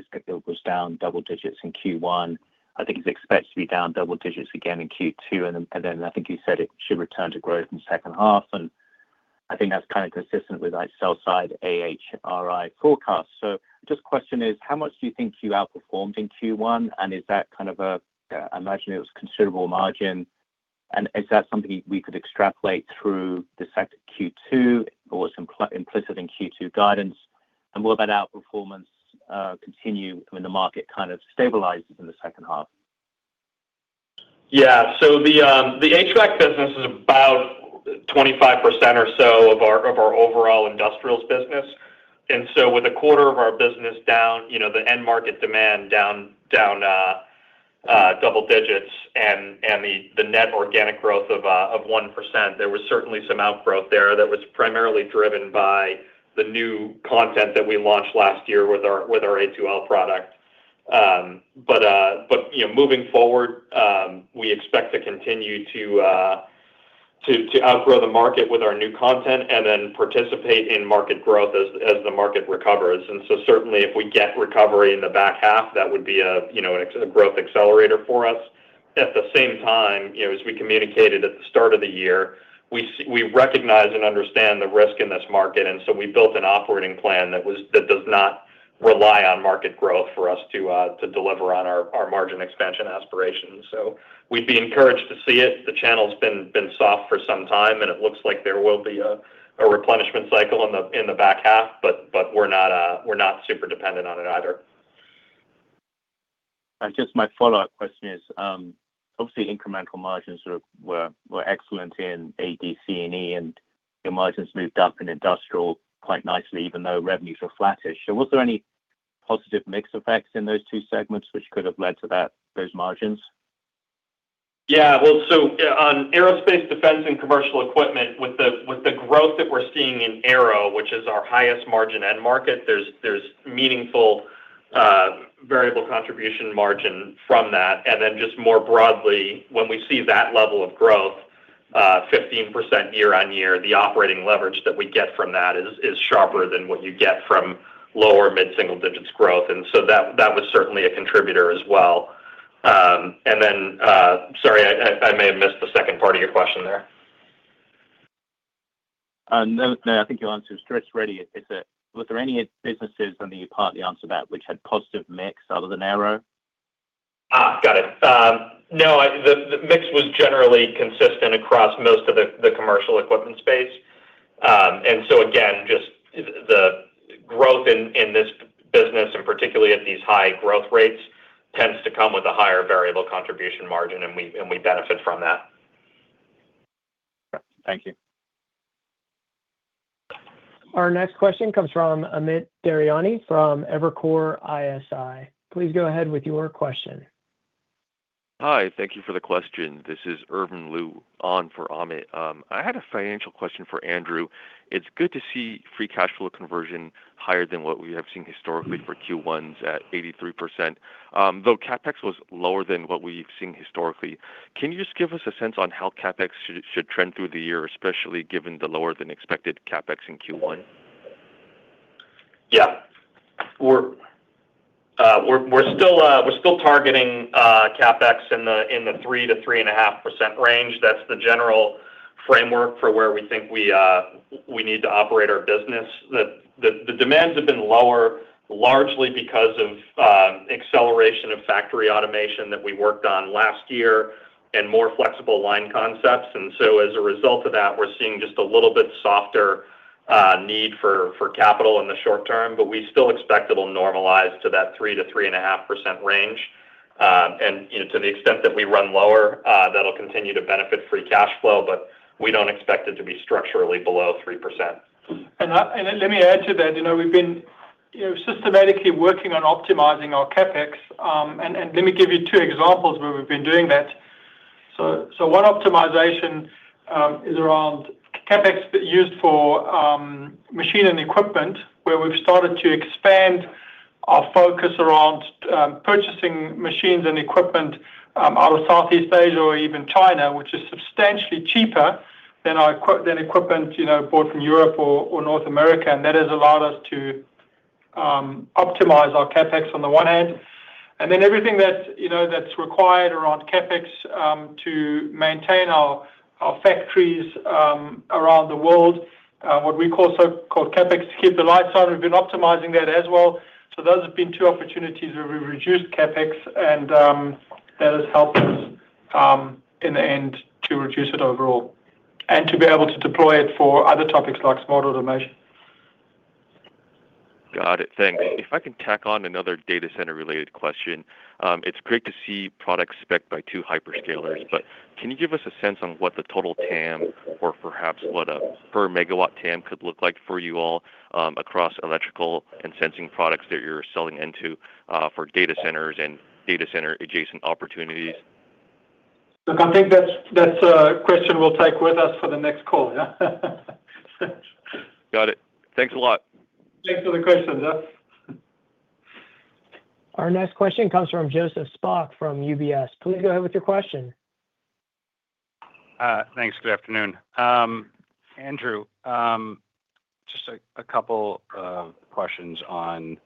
was down double-digits in Q1. I think it's expected to be down double-digits again in Q2. I think you said it should return to growth in the second half. I think that's kind of consistent with like sell side AHRI forecast. Question is, how much do you think you outperformed in Q1, and is that kind of a, I imagine it was considerable margin, and is that something we could extrapolate through Q2 or some implicit in Q2 guidance? Will that outperformance continue when the market kind of stabilizes in the second half? The HVAC business is about 25% or so of our overall industrials business. With a quarter of our business down, you know, the end market demand down double digits and the net organic growth of 1%, there was certainly some outgrowth there that was primarily driven by the new content that we launched last year with our A2L product. You know, moving forward, we expect to continue to outgrow the market with our new content and then participate in market growth as the market recovers. Certainly if we get recovery in the back half, that would be a, you know, a growth accelerator for us. At the same time, you know, as we communicated at the start of the year, we recognize and understand the risk in this market, and so we built an operating plan that does not rely on market growth for us to deliver on our margin expansion aspirations. We'd be encouraged to see it. The channel's been soft for some time, and it looks like there will be a replenishment cycle in the back half, but we're not super dependent on it either. Just my follow-up question is, obviously incremental margins were excellent in ADC&E, and your margins moved up in Industrial quite nicely, even though revenues were flattish, was there any positive mix effects in those two segments which could have led to that, those margins? Yeah. On aerospace defense and commercial equipment, with the growth that we're seeing in Aero, which is our highest margin end market, there's meaningful variable contribution margin from that. Just more broadly, when we see that level of growth, 15% year-on-year, the operating leverage that we get from that is sharper than what you get from lower mid-single digits growth. That was certainly a contributor as well. Sorry, I may have missed the second part of your question there. No, no. I think you answered. It is ready. Was there any businesses, and you partly answered that, which had positive mix other than Aero? Got it. No, the mix was generally consistent across most of the commercial equipment space. Again, just the growth in this business, and particularly at these high growth rates, tends to come with a higher variable contribution margin, and we benefit from that. Thank you. Our 1next question comes from Amit Daryanani from Evercore ISI. Please go ahead with your question. Hi. Thank you for the question. This is Irvin Liu on for Amit. I had a financial question for Andrew. It's good to see free cash flow conversion higher than what we have seen historically for Q1 at 83%. Though CapEx was lower than what we've seen historically. Can you just give us a sense on how CapEx should trend through the year, especially given the lower than expected CapEx in Q1? Yeah. We're still targeting CapEx in the 3%-3.5% range. That's the general framework for where we think we need to operate our business. The demands have been lower largely because of acceleration of factory automation that we worked on last year and more flexible line concepts. As a result of that, we're seeing just a little bit softer need for capital in the short term. We still expect it'll normalize to that 3%-3.5% range. You know, to the extent that we run lower, that'll continue to benefit free cash flow. We don't expect it to be structurally below 3%. Let me add to that. You know, we've been, you know, systematically working on optimizing our CapEx. Let me give you two examples where we've been doing that. So one optimization is around CapEx used for machine and equipment, where we've started to expand our focus around purchasing machines and equipment out of Southeast Asia or even China, which is substantially cheaper than equipment, you know, bought from Europe or North America. That has allowed us to optimize our CapEx on the one hand. Everything that's, you know, that's required around CapEx to maintain our factories around the world, what we call so-called CapEx to keep the lights on, we've been optimizing that as well. Those have been two opportunities where we've reduced CapEx and that has helped us in the end to reduce it overall and to be able to deploy it for other topics like smart automation. Got it. Thanks. If I can tack on another data center related question. It's great to see products spec by two hyperscalers. Can you give us a sense on what the total TAM or perhaps what a per megawatt TAM could look like for you all, across electrical and sensing products that you're selling into, for data centers and data center adjacent opportunities? Look, I think that's a question we'll take with us for the next call. Got it. Thanks a lot. Thanks for the question, Jeff. Our next question comes from Joseph Spak from UBS. Please go ahead with your question. Thanks. Good afternoon. Andrew, just a couple of questions on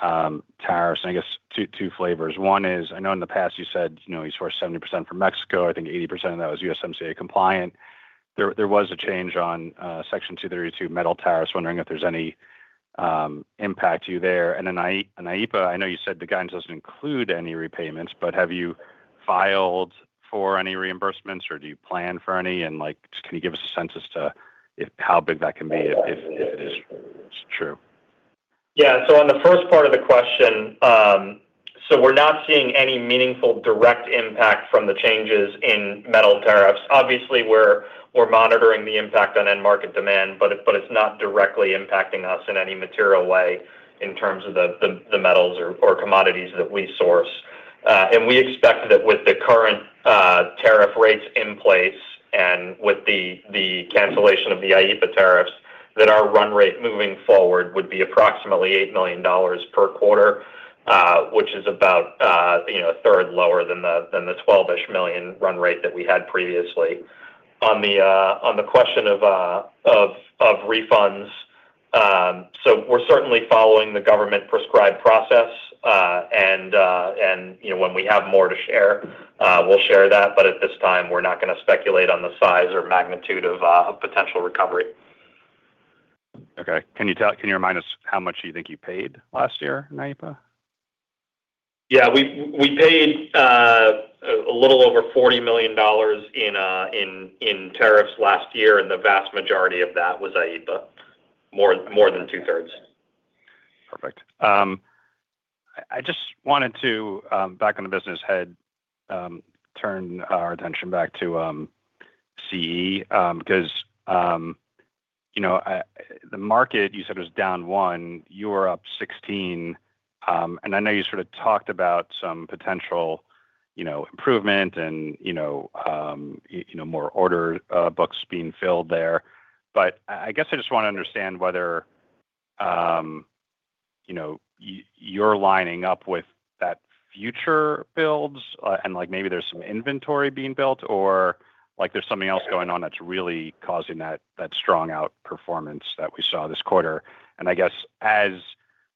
tariffs, and I guess two flavors. One is, I know in the past you said, you know, you sourced 70% from Mexico. I think 80% of that was USMCA compliant. There was a change on Section 232 metal tariffs. Wondering if there's any impact to you there. Then on IEEPA, I know you said the guidance doesn't include any repayments, but have you filed for any reimbursements, or do you plan for any? Like, can you give us a sense to how big that can be if it is true? Yeah. On the first part of the question, we're not seeing any meaningful direct impact from the changes in metal tariffs. Obviously, we're monitoring the impact on end market demand, but it's not directly impacting us in any material way in terms of the metals or commodities that we source. And we expect that with the current tariff rates in place and with the cancellation of the IEEPA tariffs, that our run rate moving forward would be approximately $8 million per quarter, which is about, you know, a third lower than the $12 million run rate that we had previously. On the question of refunds, we're certainly following the government-prescribed process. You know, when we have more to share, we'll share that. At this time, we're not gonna speculate on the size or magnitude of a potential recovery. Okay. Can you remind us how much you think you paid last year on IEEPA? Yeah. We paid, a little over $40 million in tariffs last year, and the vast majority of that was IEEPA. More than two-thirds. Perfect. I just wanted to back on the business head, turn our attention back to CE, you know, the market you said was down 1%, you were up 16%. And I know you sort of talked about some potential, you know, improvement and, you know, more order books being filled there. I guess I just want to understand whether, you know, you're lining up with that future builds, and like maybe there's some inventory being built or like there's something else going on that's really causing that strong outperformance that we saw this quarter. I guess as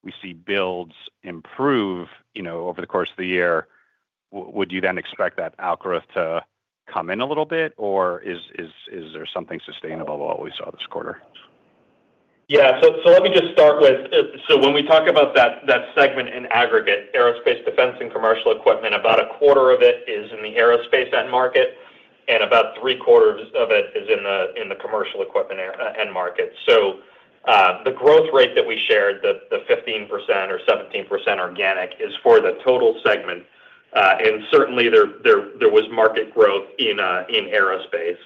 we see builds improve, you know, over the course of the year, would you then expect that outlook to come in a little bit, or is there something sustainable about what we saw this quarter? Yeah. Let me just start with, when we talk about that segment in aggregate, aerospace, defense, and commercial equipment, about a quarter of it is in the aerospace end market, and about three quarters of it is in the commercial equipment end market. The growth rate that we shared, the 15% or 17% organic, is for the total segment. Certainly there was market growth in aerospace.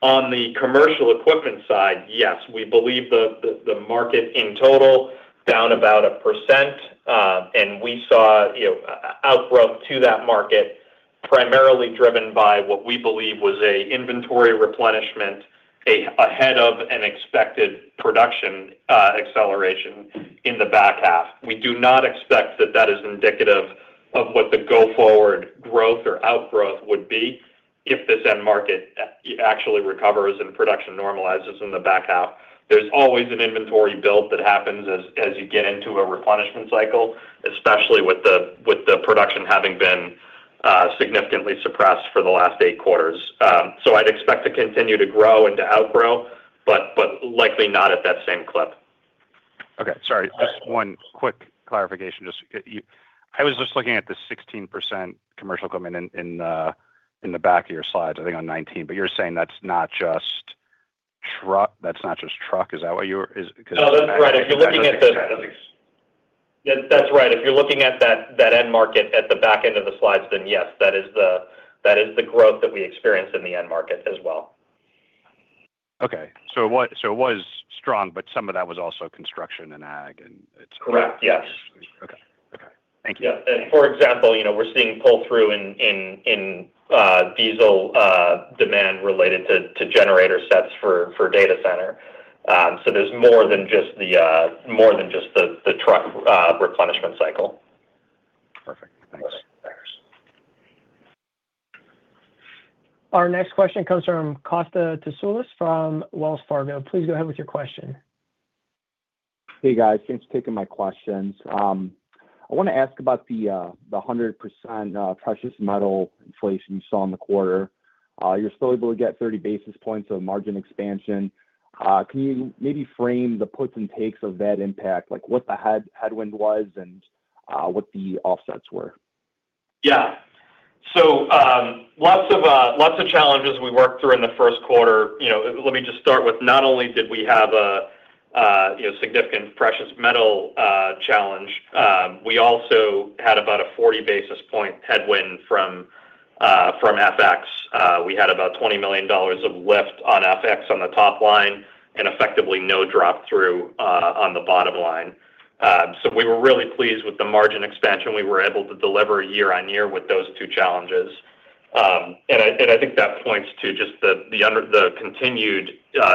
On the commercial equipment side, yes, we believe the market in total down about 1%. We saw, you know, outgrowth to that market primarily driven by what we believe was a inventory replenishment ahead of an expected production acceleration in the back half. We do not expect that that is indicative of what the go-forward growth or outgrowth would be if this end market actually recovers and production normalizes in the back half. There's always an inventory build that happens as you get into a replenishment cycle, especially with the production having been significantly suppressed for the last eight quarters. I'd expect to continue to grow and to outgrow, but likely not at that same clip. Okay, sorry. Just one quick clarification. I was just looking at the 16% commercial coming in the back of your slides, I think on 19. You're saying that's not just truck. Is that what you were? No, that's right. If you're looking at. I think I heard you say that at least. Yeah, that's right. If you're looking at that end market at the back end of the slides, yes, that is the growth that we experienced in the end market as well. Okay. It was strong. Some of that was also construction and ag. Correct, yes. Okay. Okay. Thank you. Yeah. For example, you know, we're seeing pull-through in diesel demand related to generator sets for data center. There's more than just the more than just the truck replenishment cycle. Perfect. Thanks. Thanks. Our next question comes from Kosta Tasoulis from Wells Fargo. Please go ahead with your question. Hey, guys. Thanks for taking my questions. I wanna ask about the 100% precious metal inflation you saw in the quarter. You're still able to get 30 basis points of margin expansion. Can you maybe frame the puts and takes of that impact, like what the headwind was and what the offsets were? Yeah. Lots of challenges we worked through in the first quarter. You know, let me just start with, not only did we have a significant precious metal challenge, we also had about a 40 basis points headwind from FX. We had about $20 million of lift on FX on the top line, and effectively no drop-through on the bottom line. We were really pleased with the margin expansion we were able to deliver year-over-year with those two challenges. I think that points to just the continued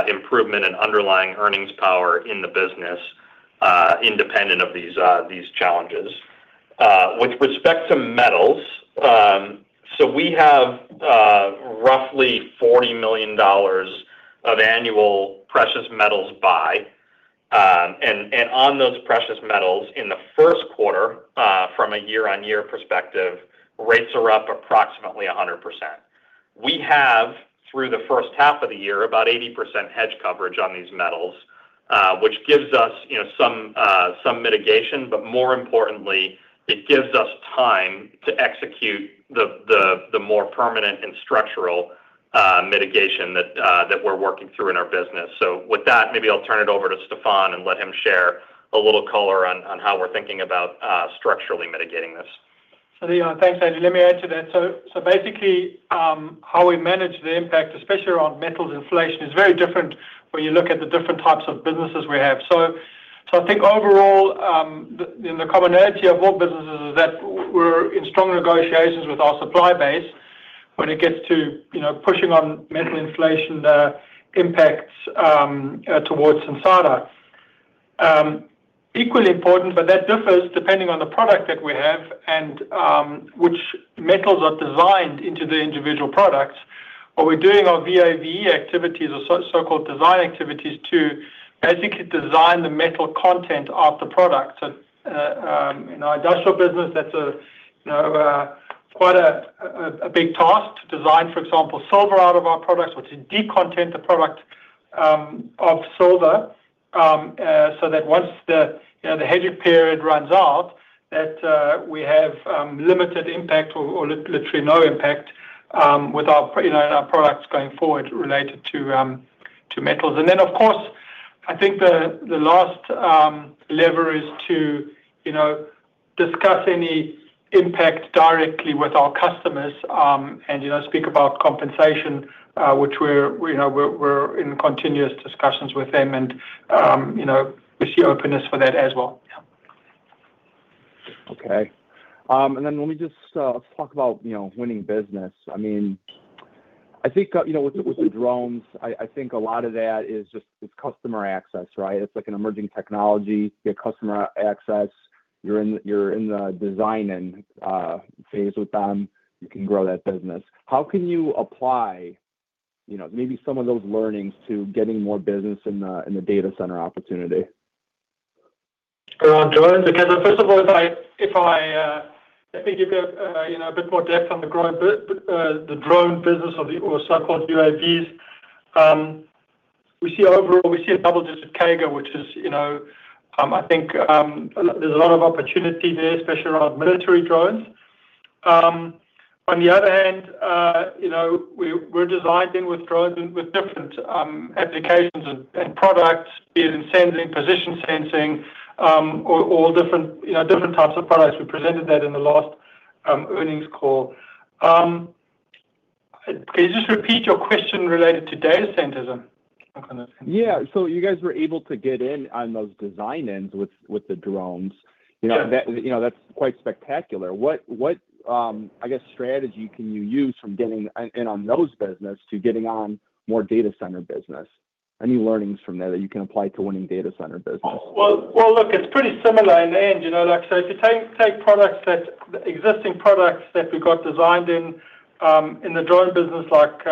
improvement in underlying earnings power in the business, independent of these challenges. With respect to metals, we have roughly $40 million of annual precious metals buy. On those precious metals in the first quarter, from a year-on-year perspective, rates are up approximately 100%. We have, through the first half of the year, about 80% hedge coverage on these metals, which gives us, you know, some mitigation, but more importantly, it gives us time to execute the more permanent and structural mitigation that we're working through in our business. With that, maybe I'll turn it over to Stephan and let him share a little color on how we're thinking about structurally mitigating this. Yeah, thanks, Andy. Let me add to that. Basically, how we manage the impact, especially around metals inflation, is very different when you look at the different types of businesses we have. I think overall, you know, the commonality of all businesses is that we're in strong negotiations with our supply base when it gets to, you know, pushing on metal inflation impacts towards some products. Equally important, but that differs depending on the product that we have and which metals are designed into the individual products, but we're doing our VAVE activities or so-called design activities to basically design the metal content of the product. In our industrial business, that's a, you know, quite a big task to design, for example, silver out of our products or to de-content the product of silver, so that once the, you know, the hedged period runs out, that we have limited impact or literally no impact with our, you know, our products going forward related to metals. Of course, I think the last lever is to, you know, discuss any impact directly with our customers, and, you know, speak about compensation, which we're, we know, we're in continuous discussions with them and, you know, we see openness for that as well. Yeah. Okay. Let me just, let's talk about, you know, winning business. I mean, I think, you know, with the, with the drones, I think a lot of that is just, it's customer access, right? It's like an emerging technology, get customer access. You're in the designing phase with them. You can grow that business. How can you apply, you know, maybe some of those learnings to getting more business in the, in the data center opportunity? Around drones? Okay. First of all, if I, if I Let me give you know, a bit more depth on the drone business or the, or so-called UAVs. We see overall, we see a double-digit CAGR, which is, you know, I think, there's a lot of opportunity there, especially around military drones. On the other hand, you know, we're designing with drones and with different applications and products, be it in sensing, position sensing, or different, you know, different types of products. We presented that in the last earnings call. Can you just repeat your question related to data centers and I can answer? Yeah. You guys were able to get in on those design ends with the drones. You know. Yeah that, you know, that's quite spectacular. What, I guess, strategy can you use from getting in on those business to getting on more data center business? Any learnings from there that you can apply to winning data center business? It's pretty similar in the end, you know. If you take products that, existing products that we got designed in the drone business like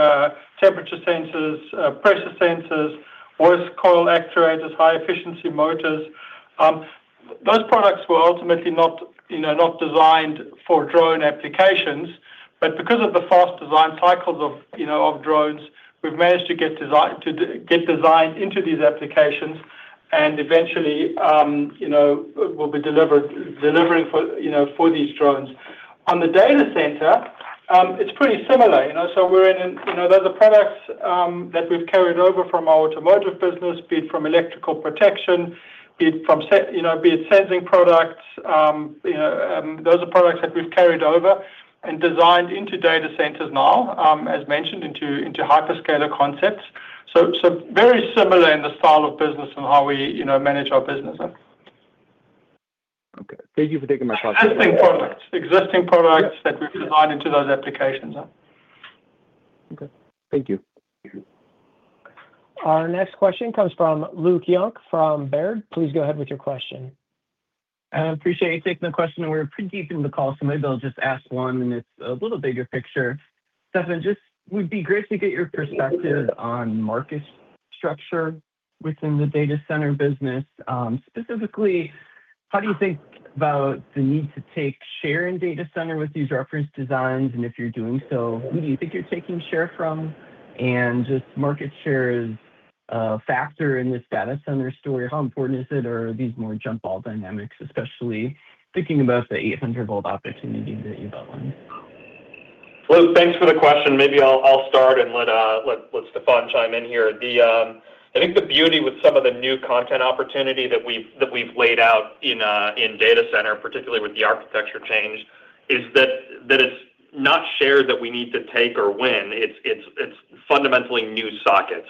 temperature sensors, pressure sensors, voice coil actuators, high efficiency motors, those products were ultimately not, you know, not designed for drone applications. Because of the fast design cycles of, you know, of drones, we've managed to get designed into these applications. Eventually, you know, we'll be delivering for, you know, for these drones. On the data center, it's pretty similar, you know. We're in, you know, they're the products that we've carried over from our automotive business, be it from electrical protection, be it from, you know, sensing products. You know, those are products that we've carried over and designed into data centers now, as mentioned into hyperscaler concepts. Very similar in the style of business and how we, you know, manage our business. Okay. Thank you for taking my call. Existing products. Yeah that we've designed into those applications. Yeah. Okay. Thank you. Our next question comes from Luke Junk from Baird. Please go ahead with your question. I appreciate you taking the question, and we're pretty deep in the call, so maybe I'll just ask one, and it's a little bigger picture. Stephan, just would be great to get your perspective on market structure within the data center business. Specifically, how do you think about the need to take share in data center with these reference designs? If you're doing so, who do you think you're taking share from? Just market share is a factor in this data center story. How important is it? Or are these more jump ball dynamics, especially thinking about the 800 volt opportunity that you've outlined? Luke, thanks for the question. Maybe I'll start and let Stephan chime in here. I think the beauty with some of the new content opportunity that we've laid out in data center, particularly with the architecture change, is that it's not shares that we need to take or win. It's fundamentally new sockets.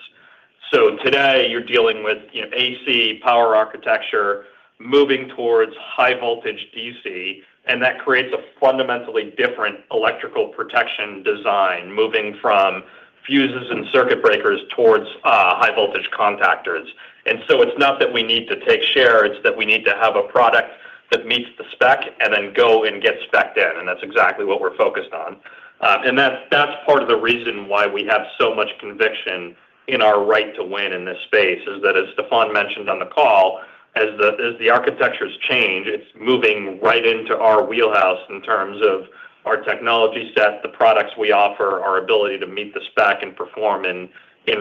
Today you're dealing with, you know, AC power architecture moving towards high voltage DC, and that creates a fundamentally different electrical protection design, moving from fuses and circuit breakers towards high voltage contactors. It's not that we need to take share, it's that we need to have a product that meets the spec and then go and get specced in, and that's exactly what we're focused on. That's part of the reason why we have so much conviction in our right to win in this space, is that as Stephan mentioned on the call, as the architectures change, it's moving right into our wheelhouse in terms of our technology set, the products we offer, our ability to meet the spec and perform in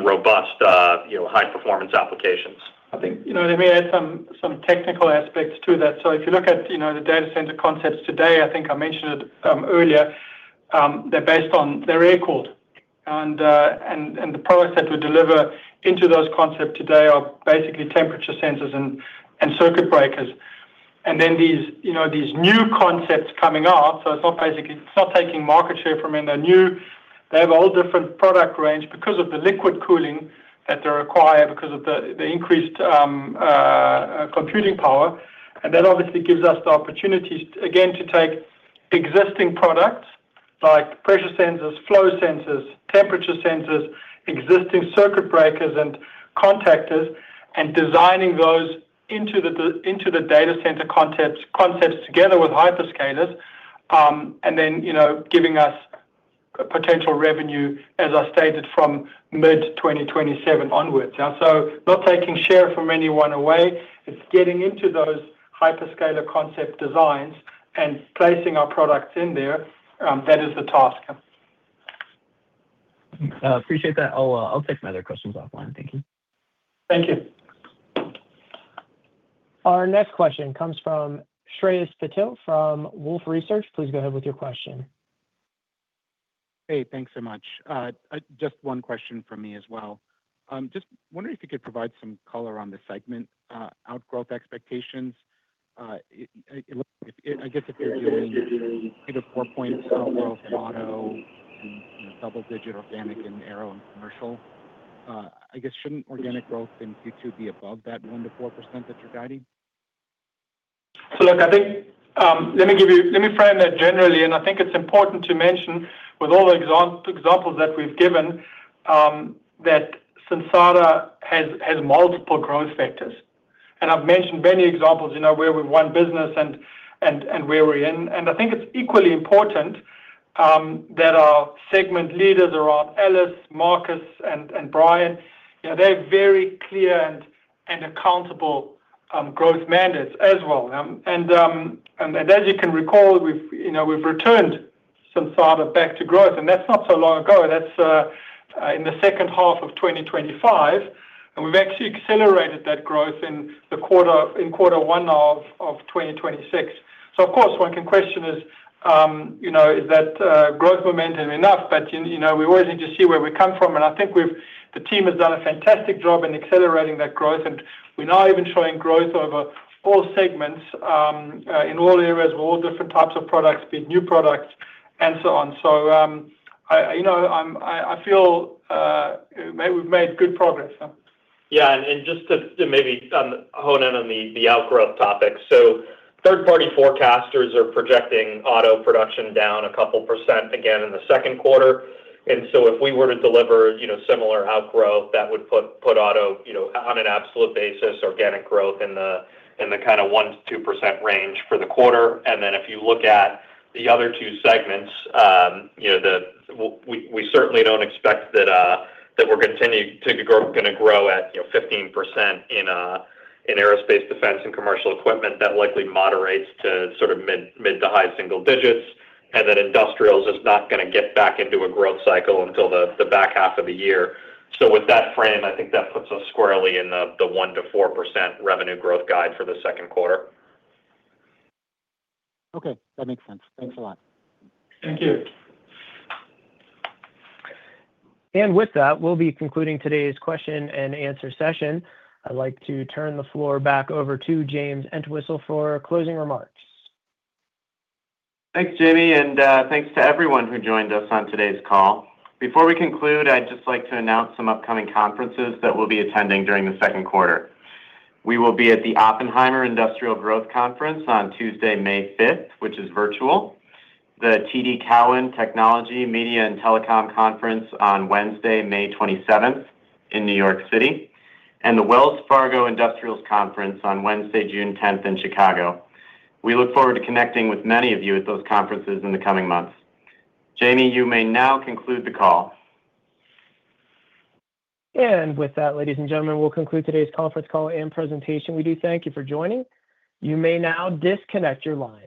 robust, you know, high performance applications. I think, you know, let me add some technical aspects to that. If you look at, you know, the data center concepts today, I think I mentioned it earlier, they're air-cooled. The products that we deliver into those concepts today are basically temperature sensors and circuit breakers. These, you know, these new concepts coming up, it's not taking market share. They have a whole different product range because of the liquid cooling that they require because of the increased computing power. That obviously gives us the opportunity again to take existing products like pressure sensors, flow sensors, temperature sensors, existing circuit breakers and contactors, and designing those into the data center concepts together with hyperscalers. Then, you know, giving us potential revenue, as I stated, from mid-2027 onwards. Not taking share from anyone away. It's getting into those hyperscaler concept designs and placing our products in there, that is the task. Appreciate that. I'll take my other questions offline. Thank you. Thank you. Our next question comes from Shreyas Patil from Wolfe Research. Please go ahead with your question. Hey, thanks so much. Just one question from me as well. I'm just wondering if you could provide some color on the segment outgrowth expectations. It looks like it. I guess if you're doing either four point south growth auto and, you know, double-digit organic in aero and commercial, I guess shouldn't organic growth in Q2 be above that 1%-4% that you're guiding? look, I think, let me frame that generally. I think it's important to mention with all the examples that we've given, that Sensata has multiple growth vectors. I've mentioned many examples, you know, where we've won business and where we're in. I think it's equally important that our segment leaders, around Alice, Marcus and Brian, you know, they have very clear and accountable growth mandates as well. As you can recall, we've, you know, we've returned Sensata back to growth, and that's not so long ago. That's in the second half of 2025. We've actually accelerated that growth in the quarter, in quarter one of 2026. Of course one can question is, you know, is that growth momentum enough? You know, we always need to see where we come from. I think the team has done a fantastic job in accelerating that growth, and we're now even showing growth over all segments in all areas with all different types of products, be it new products and so on. I, you know, I feel we've made good progress. Yeah. Yeah. Just to hone in on the outgrowth topic. Third party forecasters are projecting auto production down a couple % again in the second quarter. If we were to deliver, you know, similar outgrowth, that would put auto, you know, on an absolute basis, organic growth in the kind of 1%-2% range for the quarter. If you look at the other two segments, you know, we certainly don't expect that we're continuing to grow, gonna grow at, you know, 15% in aerospace defense and commercial equipment. That likely moderates to sort of mid to high single digits. Industrials is not gonna get back into a growth cycle until the back half of the year. With that frame, I think that puts us squarely in the 1%-4% revenue growth guide for the second quarter. Okay. That makes sense. Thanks a lot. Thank you. With that, we'll be concluding today's question and answer session. I'd like to turn the floor back over to James Entwistle for closing remarks. Thanks, Jamie, and thanks to everyone who joined us on today's call. Before we conclude, I'd just like to announce some upcoming conferences that we'll be attending during the second quarter. We will be at the Oppenheimer Industrial Growth Conference on Tuesday, 5th May which is virtual. The TD Cowen Technology, Media and Telecom Conference on Wednesday, 27th May in New York City. The Wells Fargo Industrials Conference on Wednesday, 10th June in Chicago. We look forward to connecting with many of you at those conferences in the coming months. Jamie, you may now conclude the call. With that, ladies and gentlemen, we'll conclude today's Conference Call and presentation. We do thank you for joining. You may now disconnect your line.